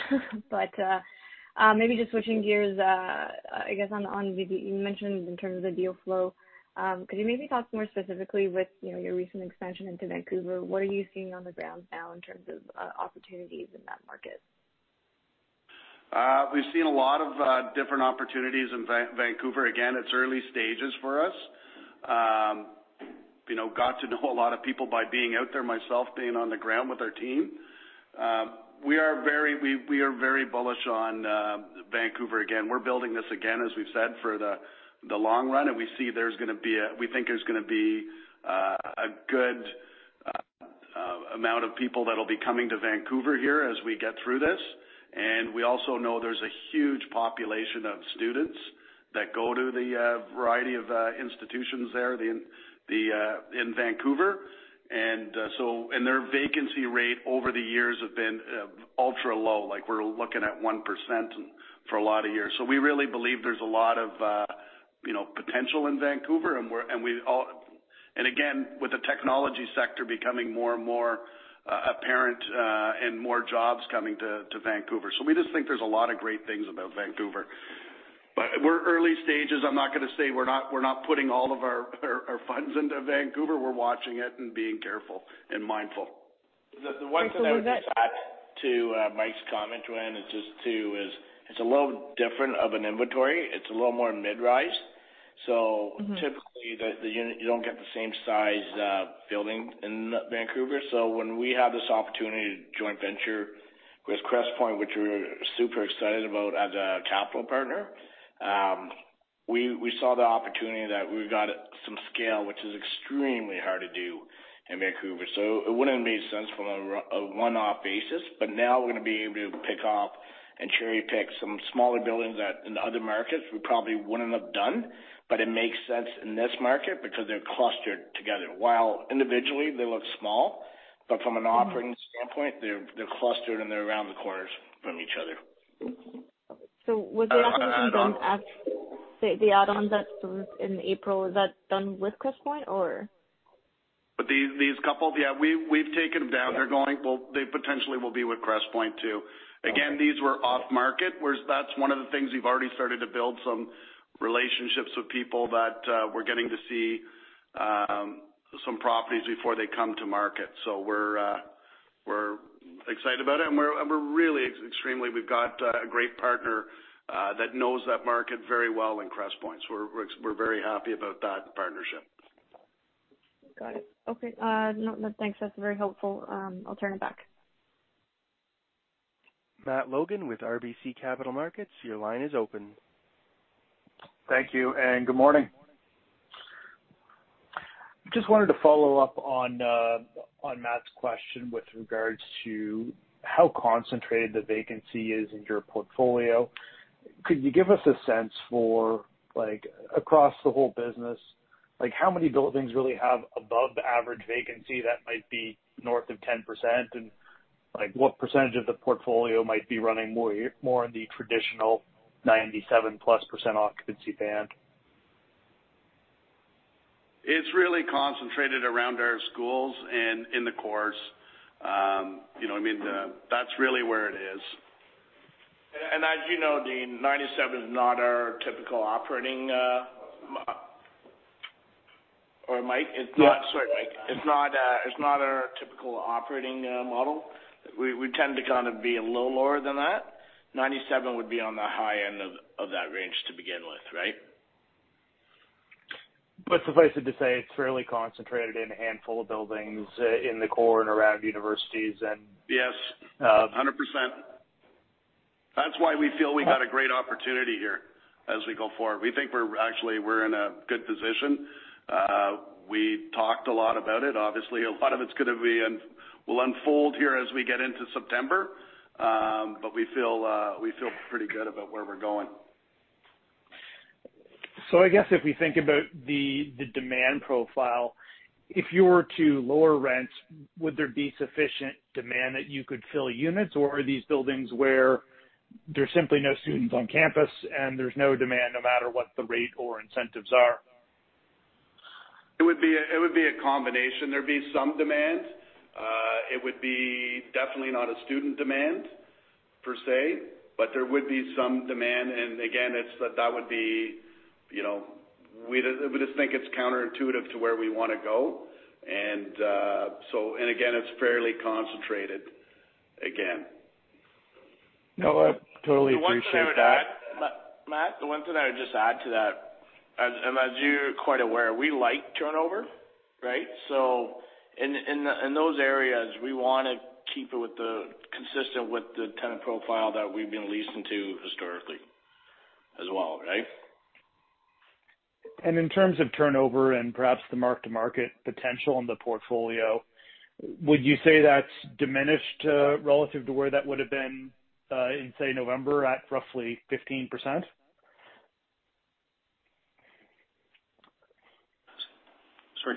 Maybe just switching gears, I guess you mentioned in terms of the deal flow. Could you maybe talk more specifically with your recent expansion into Vancouver? What are you seeing on the ground now in terms of opportunities in that market? We've seen a lot of different opportunities in Vancouver. Again, it's early stages for us. Got to know a lot of people by being out there myself, being on the ground with our team. We are very bullish on Vancouver. Again, we're building this again, as we've said, for the long run. We think there's going to be a good amount of people that'll be coming to Vancouver here as we get through this. We also know there's a huge population of students that go to the variety of institutions there in Vancouver. Their vacancy rate over the years have been ultra-low. We're looking at 1% for a lot of years. We really believe there's a lot of potential in Vancouver. Again, with the technology sector becoming more and more apparent, and more jobs coming to Vancouver. We just think there's a lot of great things about Vancouver. We're early stages. We're not putting all of our funds into Vancouver. We're watching it and being careful and mindful. The one thing I would just add to Mike's comment, Joanne, it's a little different of an inventory. It's a little more mid-rise. Typically, you don't get the same size building in Vancouver. When we had this opportunity to joint venture with Crestpoint, which we're super excited about as a capital partner. We saw the opportunity that we got some scale, which is extremely hard to do in Vancouver. It wouldn't have made sense from a one-off basis, but now we're going to be able to pick up and cherry-pick some smaller buildings in the other markets we probably wouldn't have done. It makes sense in this market because they're clustered together. While individually they look small, but from an operating standpoint, they're clustered and they're around the corners from each other. Was the add-on done, the add-on that's in April, is that done with Crestpoint or? These couple? Yeah. We've taken them down. They potentially will be with Crestpoint, too. These were off-market, whereas that's one of the things we've already started to build some relationships with people that we're getting to see some properties before they come to market. We're excited about it and we've got a great partner that knows that market very well in Crestpoint. We're very happy about that partnership. Got it. Okay. No, thanks. That's very helpful. I'll turn it back. Matt Logan with RBC Capital Markets, your line is open. Thank you, and good morning. Just wanted to follow up on Matt's question with regards to how concentrated the vacancy is in your portfolio. Could you give us a sense for, across the whole business, how many buildings really have above average vacancy that might be north of 10%? What percentage of the portfolio might be running more in the traditional 97+% occupancy band? It's really concentrated around our schools and in the cores. That's really where it is. As you know, Dean, 97 is not our typical operating. It might. It's not, sorry, Mike. It's not our typical operating model. We tend to be a little lower than that. 97 would be on the high end of that range to begin with, right? Suffice it to say, it's fairly concentrated in a handful of buildings in the core and around universities. Yes, 100%. That's why we feel we got a great opportunity here as we go forward. We think we're in a good position. We talked a lot about it. Obviously, a lot of it's going to be will unfold here as we get into September. We feel pretty good about where we're going. I guess if we think about the demand profile, if you were to lower rents, would there be sufficient demand that you could fill units? Or are these buildings where there's simply no students on campus and there's no demand no matter what the rate or incentives are? It would be a combination. There'd be some demand. It would be definitely not a student demand, per se, but there would be some demand. Again, we just think it's counterintuitive to where we want to go. Again, it's fairly concentrated again. No, I totally appreciate that. Matt, the one thing that I would just add to that, as you're quite aware, we like turnover, right? In those areas, we want to keep it consistent with the tenant profile that we've been leasing to historically as well, right? In terms of turnover and perhaps the mark-to-market potential in the portfolio, would you say that's diminished relative to where that would've been in, say, November at roughly 15%? Sorry,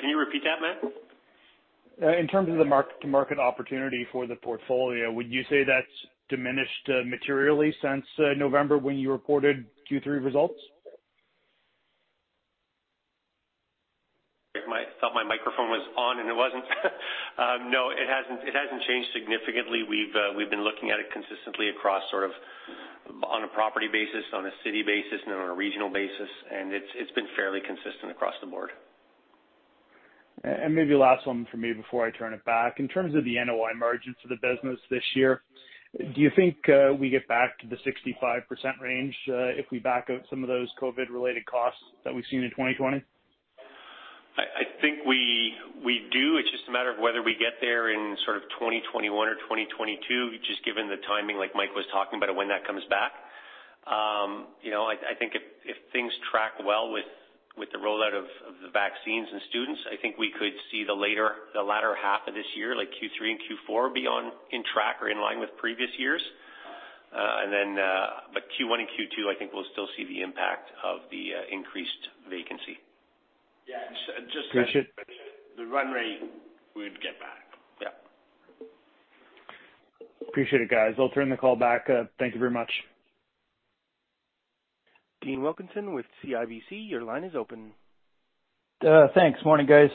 can you repeat that, Matt? In terms of the mark-to-market opportunity for the portfolio, would you say that's diminished materially since November when you reported Q3 results? I thought my microphone was on and it wasn't. No, it hasn't changed significantly. We've been looking at it consistently across on a property basis, on a city basis, and on a regional basis, and it's been fairly consistent across the board. Maybe last one from me before I turn it back. In terms of the NOI margins of the business this year, do you think we get back to the 65% range if we back out some of those COVID-related costs that we've seen in 2020? I think we do. It's just a matter of whether we get there in sort of 2021 or 2022, just given the timing like Mike was talking about of when that comes back. I think if things track well with the rollout of the vaccines and students, I think we could see the latter half of this year, like Q3 and Q4, be on track or in line with previous years. Q1 and Q2, I think we'll still see the impact of the increased vacancy. Yeah. Just to mention, the run rate we'd get back. Yeah. Appreciate it, guys. I'll turn the call back. Thank you very much. Dean Wilkinson with CIBC, your line is open. Thanks. Morning, guys.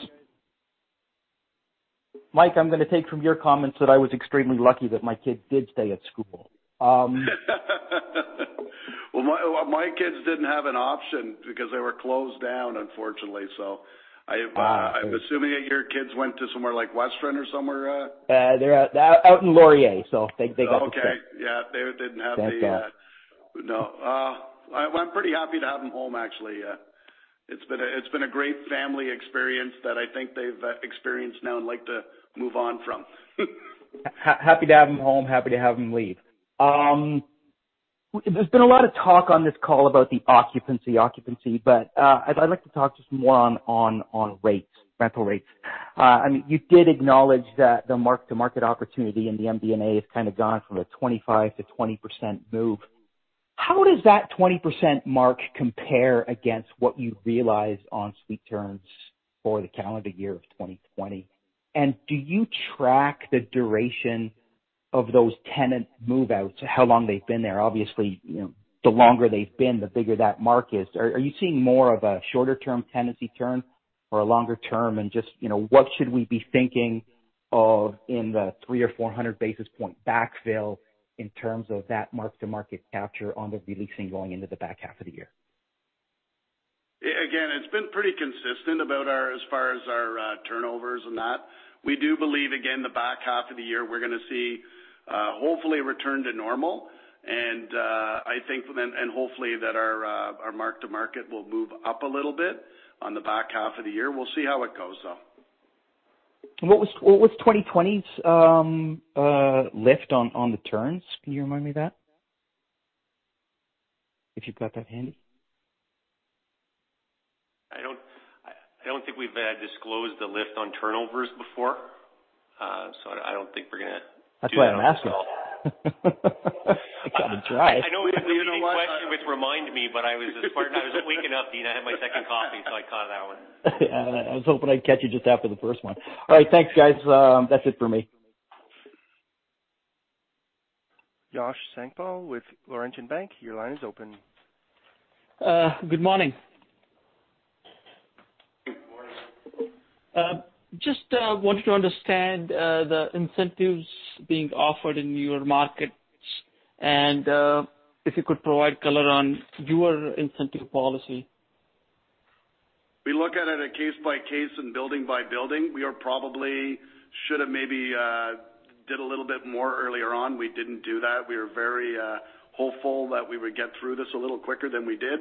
Mike, I'm going to take from your comments that I was extremely lucky that my kids did stay at school. My kids didn't have an option because they were closed down unfortunately. I'm assuming that your kids went to somewhere like Western or somewhere? They're out in Laurier, so they got to stay. Okay. Yeah. They didn't have. Thank God. No. I'm pretty happy to have them home, actually. It's been a great family experience that I think they've experienced now and would like to move on from. Happy to have them home, happy to have them leave. There's been a lot of talk on this call about the occupancy, but I'd like to talk just more on rental rates. You did acknowledge that the mark-to-market opportunity in the MD&A has kind of gone from a 25%-20% move. How does that 20% mark compare against what you realize on suite turns? For the calendar year of 2020. Do you track the duration of those tenant move-outs? How long they've been there? Obviously, the longer they've been, the bigger that market. Are you seeing more of a shorter-term tenancy turn or a longer term? Just what should we be thinking of in the 300 or 400 basis point backfill in terms of that mark-to-market capture on the re-leasing going into the back half of the year? It's been pretty consistent about as far as our turnovers and that. We do believe, again, the back half of the year, we're going to see, hopefully a return to normal. Hopefully that our mark-to-market will move up a little bit on the back half of the year. We'll see how it goes, though. What was 2020's lift on the turns? Can you remind me of that? If you've got that handy. I don't think we've disclosed the lift on turnovers before. I don't think we're going to do that on this call. That's why I'm asking. I thought I'd try. I know it's an interesting question, which reminded me, but I was waking up, Dean. I had my second coffee, so I caught that one. I was hoping I'd catch you just after the first one. All right. Thanks, guys. That's it for me. Yash Sankpal with Laurentian Bank. Your line is open. Good morning. Good morning. Just wanted to understand the incentives being offered in your markets and if you could provide color on your incentive policy. We look at it case by case and building by building. We probably should've maybe did a little bit more earlier on. We didn't do that. We were very hopeful that we would get through this a little quicker than we did.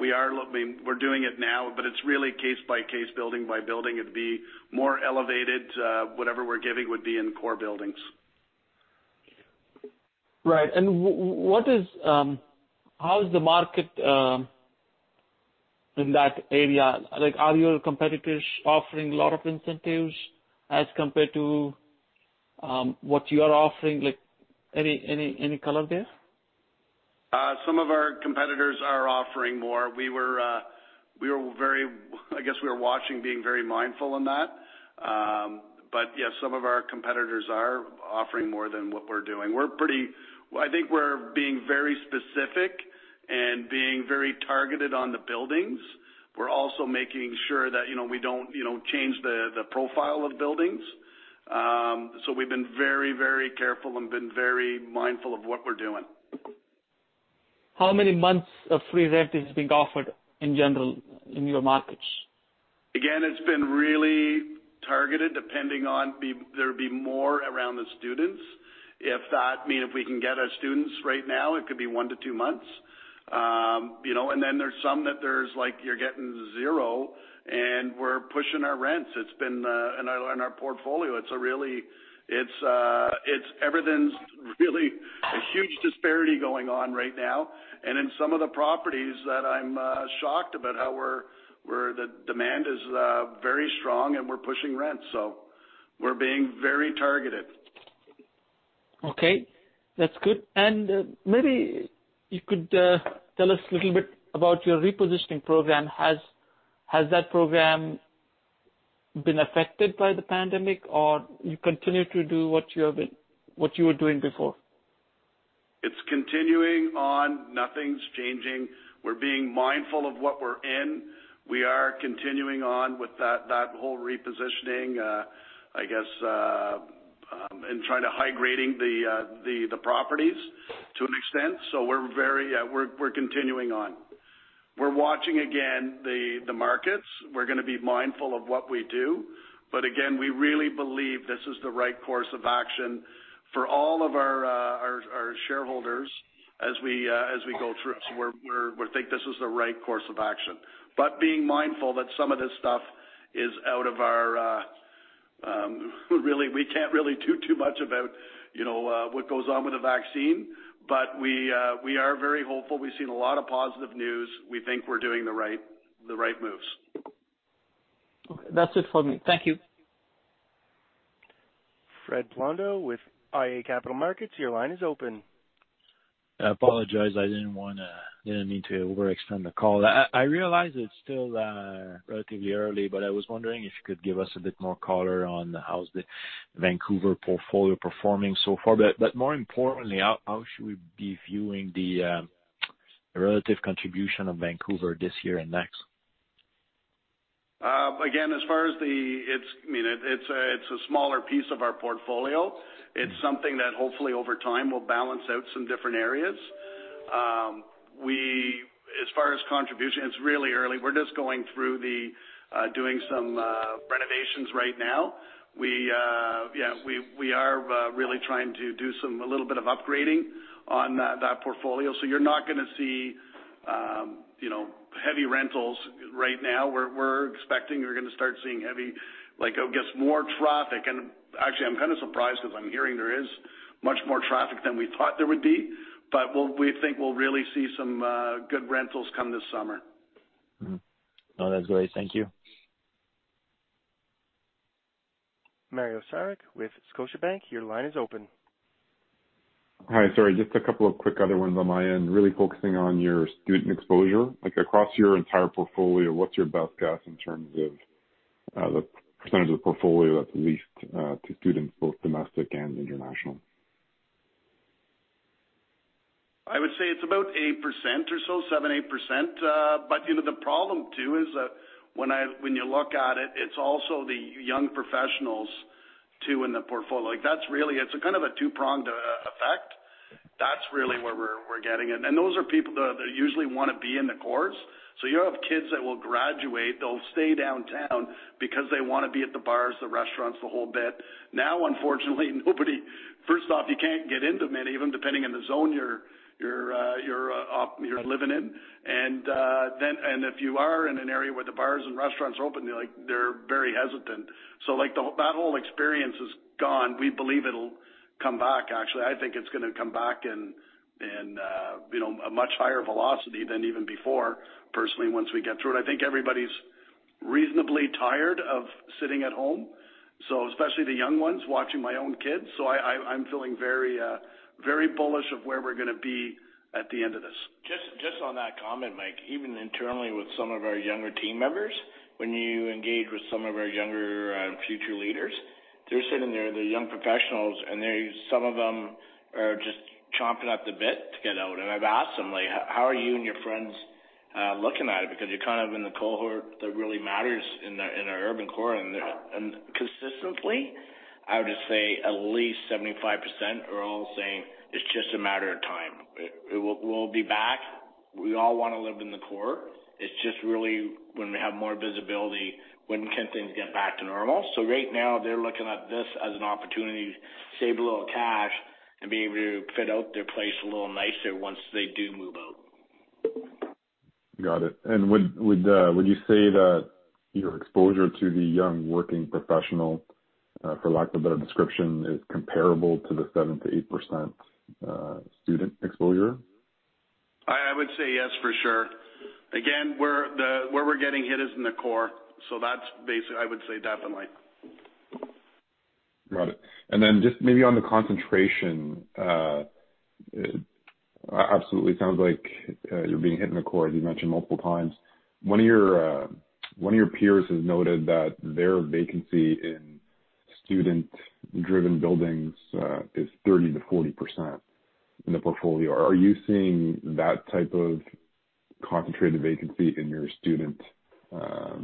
We're doing it now, but it's really case by case, building by building. It'd be more elevated, whatever we're giving would be in core buildings. Right. How is the market in that area? Are your competitors offering a lot of incentives as compared to what you are offering? Any color there? Some of our competitors are offering more. I guess we were watching, being very mindful in that. Yeah, some of our competitors are offering more than what we're doing. I think we're being very specific and being very targeted on the buildings. We're also making sure that we don't change the profile of buildings. We've been very careful and been very mindful of what we're doing. How many months of free rent is being offered in general in your markets? It's been really targeted, depending on There'd be more around the students. If we can get our students right now, it could be one to two months. There's some that you're getting zero, and we're pushing our rents in our portfolio. Everything's really a huge disparity going on right now. In some of the properties that I'm shocked about how the demand is very strong and we're pushing rents. We're being very targeted. Okay. That's good. Maybe you could tell us a little bit about your repositioning program. Has that program been affected by the pandemic, or you continue to do what you were doing before? It's continuing on. Nothing's changing. We're being mindful of what we're in. We are continuing on with that whole repositioning, I guess, and trying to high grading the properties to an extent. We're continuing on. We're watching, again, the markets. We're going to be mindful of what we do. Again, we really believe this is the right course of action for all of our shareholders as we go through. We think this is the right course of action. Being mindful that some of this stuff is out of our. We can't really do too much about what goes on with the vaccine. We are very hopeful. We've seen a lot of positive news. We think we're doing the right moves. Okay. That's it for me. Thank you. Fred Blondeau with iA Capital Markets, your line is open. I apologize. I didn't mean to overextend the call. I realize it's still relatively early, but I was wondering if you could give us a bit more color on how's the Vancouver portfolio performing so far. More importantly, how should we be viewing the relative contribution of Vancouver this year and next? It's a smaller piece of our portfolio. It's something that hopefully over time will balance out some different areas. As far as contribution, it's really early. We're just going through doing some renovations right now. We are really trying to do a little bit of upgrading on that portfolio. You're not going to see heavy rentals right now. We're expecting we're going to start seeing heavy, I guess, more traffic. Actually, I'm kind of surprised because I'm hearing there is much more traffic than we thought there would be. We think we'll really see some good rentals come this summer. No, that's great. Thank you. Mario Saric with Scotiabank, your line is open. Hi, sorry, just a couple of quick other ones on my end. Really focusing on your student exposure. Across your entire portfolio, what's your best guess in terms of the percent of the portfolio that's leased to students, both domestic and international? I would say it's about 8% or so, 7%, 8%. The problem too is that when you look at it's also the young professionals too in the portfolio. It's a kind of a two-pronged effect. That's really where we're getting it. Those are people that usually want to be in the cores. You have kids that will graduate, they'll stay downtown because they want to be at the bars, the restaurants, the whole bit. Now, unfortunately, first off, you can't get into many, even depending on the zone you're living in. If you are in an area where the bars and restaurants are open, they're very hesitant. That whole experience is gone. We believe it'll come back, actually. I think it's going to come back in a much higher velocity than even before, personally, once we get through it. I think everybody's reasonably tired of sitting at home, especially the young ones, watching my own kids. I'm feeling very bullish of where we're going to be at the end of this. Just on that comment, Mike, even internally with some of our younger team members, when you engage with some of our younger future leaders, they're sitting there, they're young professionals, and some of them are just chomping at the bit to get out. I've asked them, how are you and your friends looking at it? Because you're kind of in the cohort that really matters in our urban core. Consistently, I would just say at least 75% are all saying it's just a matter of time. We'll be back. We all want to live in the core. It's just really when we have more visibility, when can things get back to normal? Right now they're looking at this as an opportunity to save a little cash and be able to fit out their place a little nicer once they do move out. Got it. Would you say that your exposure to the young working professional, for lack of a better description, is comparable to the 7%-8% student exposure? I would say yes, for sure. Again, where we're getting hit is in the core. That's basic. I would say definitely. Got it. Just maybe on the concentration. Absolutely sounds like you're being hit in the core, as you mentioned multiple times. One of your peers has noted that their vacancy in student-driven buildings is 30%-40% in the portfolio. Are you seeing that type of concentrated vacancy in your student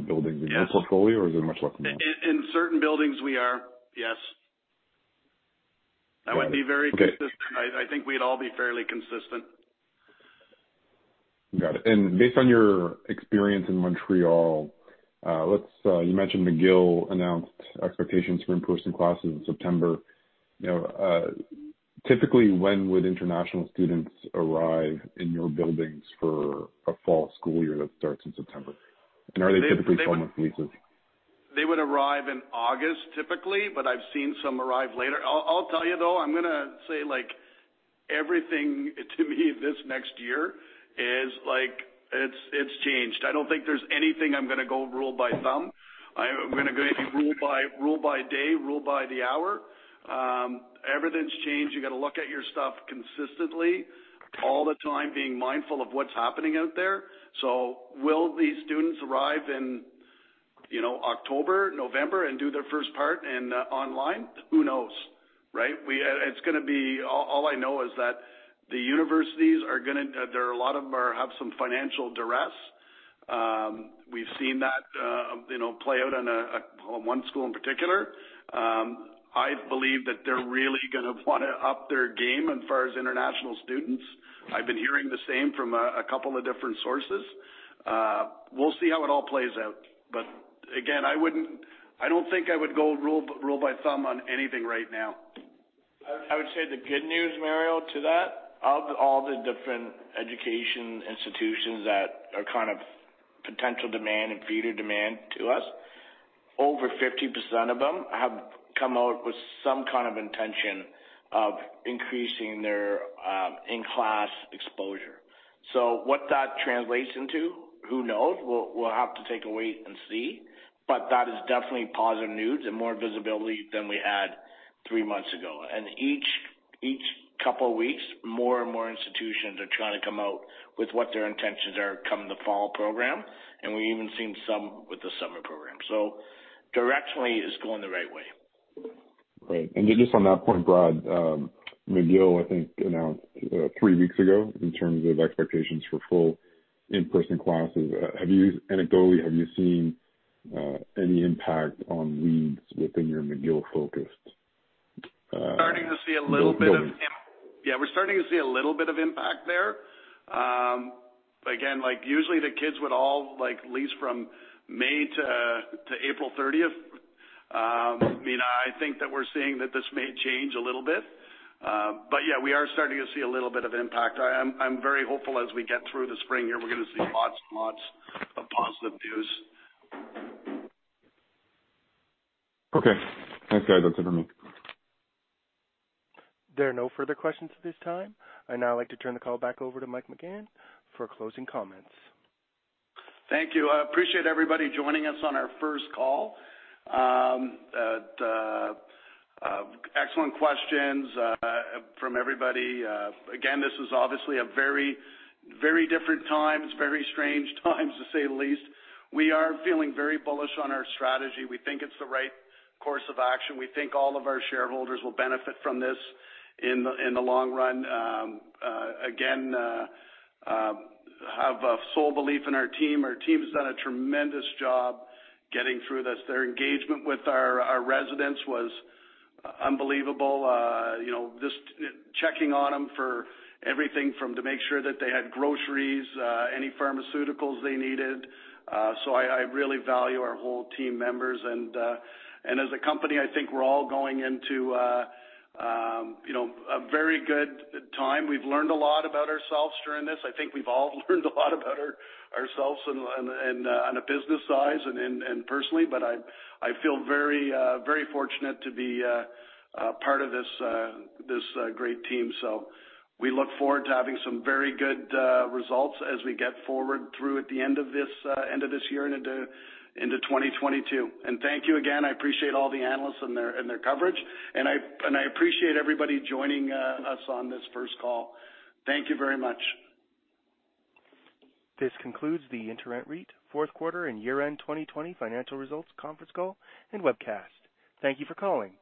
buildings in your portfolio? Yes Is it much less than that? In certain buildings we are, yes. Got it. Okay. That would be very consistent. I think we'd all be fairly consistent. Got it. Based on your experience in Montreal, you mentioned McGill announced expectations for in-person classes in September. Typically, when would international students arrive in your buildings for a fall school year that starts in September? Are they typically 12-month leases? They would arrive in August typically, but I've seen some arrive later. I'll tell you though, I'm going to say everything to me this next year is like, it's changed. I don't think there's anything I'm going to go rule by thumb. I'm going to rule by day, rule by the hour. Everything's changed. You got to look at your stuff consistently all the time, being mindful of what's happening out there. Will these students arrive in October, November, and do their first part in online? Who knows, right? All I know is that the universities, a lot of them have some financial duress. We've seen that play out in one school in particular. I believe that they're really going to want to up their game as far as international students. I've been hearing the same from a couple of different sources. We'll see how it all plays out. Again, I don't think I would go rule of thumb on anything right now. I would say the good news, Mario, to that, of all the different education institutions that are kind of potential demand and feeder demand to us, over 50% of them have come out with some kind of intention of increasing their in-class exposure. What that translates into, who knows? We'll have to take a wait and see. That is definitely positive news and more visibility than we had three months ago. Each couple weeks, more and more institutions are trying to come out with what their intentions are come the fall program. We even seen some with the summer program. Directionally, it's going the right way. Great. Just on that point, Brad, McGill, I think, announced three weeks ago in terms of expectations for full in-person classes. Anecdotally, have you seen any impact on leads within your McGill focus? Yeah, we're starting to see a little bit of impact there. Usually the kids would all lease from May to April 30th. I think that we're seeing that this may change a little bit. Yeah, we are starting to see a little bit of impact. I'm very hopeful as we get through the spring here, we're going to see lots and lots of positive news. Okay. Thanks, guys. That's it for me. There are no further questions at this time. I'd now like to turn the call back over to Mike McGahan for closing comments. Thank you. I appreciate everybody joining us on our first call. Excellent questions from everybody. Again, this is obviously a very different times, very strange times, to say the least. We are feeling very bullish on our strategy. We think it's the right course of action. We think all of our shareholders will benefit from this in the long run. Again, have a sole belief in our team. Our team has done a tremendous job getting through this. Their engagement with our residents was unbelievable. Just checking on them for everything, from to make sure that they had groceries, any pharmaceuticals they needed. I really value our whole team members. As a company, I think we're all going into a very good time. We've learned a lot about ourselves during this. I think we've all learned a lot about ourselves on a business side and personally. I feel very fortunate to be part of this great team. We look forward to having some very good results as we get forward through at the end of this year and into 2022. Thank you again. I appreciate all the analysts and their coverage. I appreciate everybody joining us on this first call. Thank you very much. This concludes the InterRent REIT fourth quarter and year-end 2020 financial results conference call and webcast. Thank you for calling.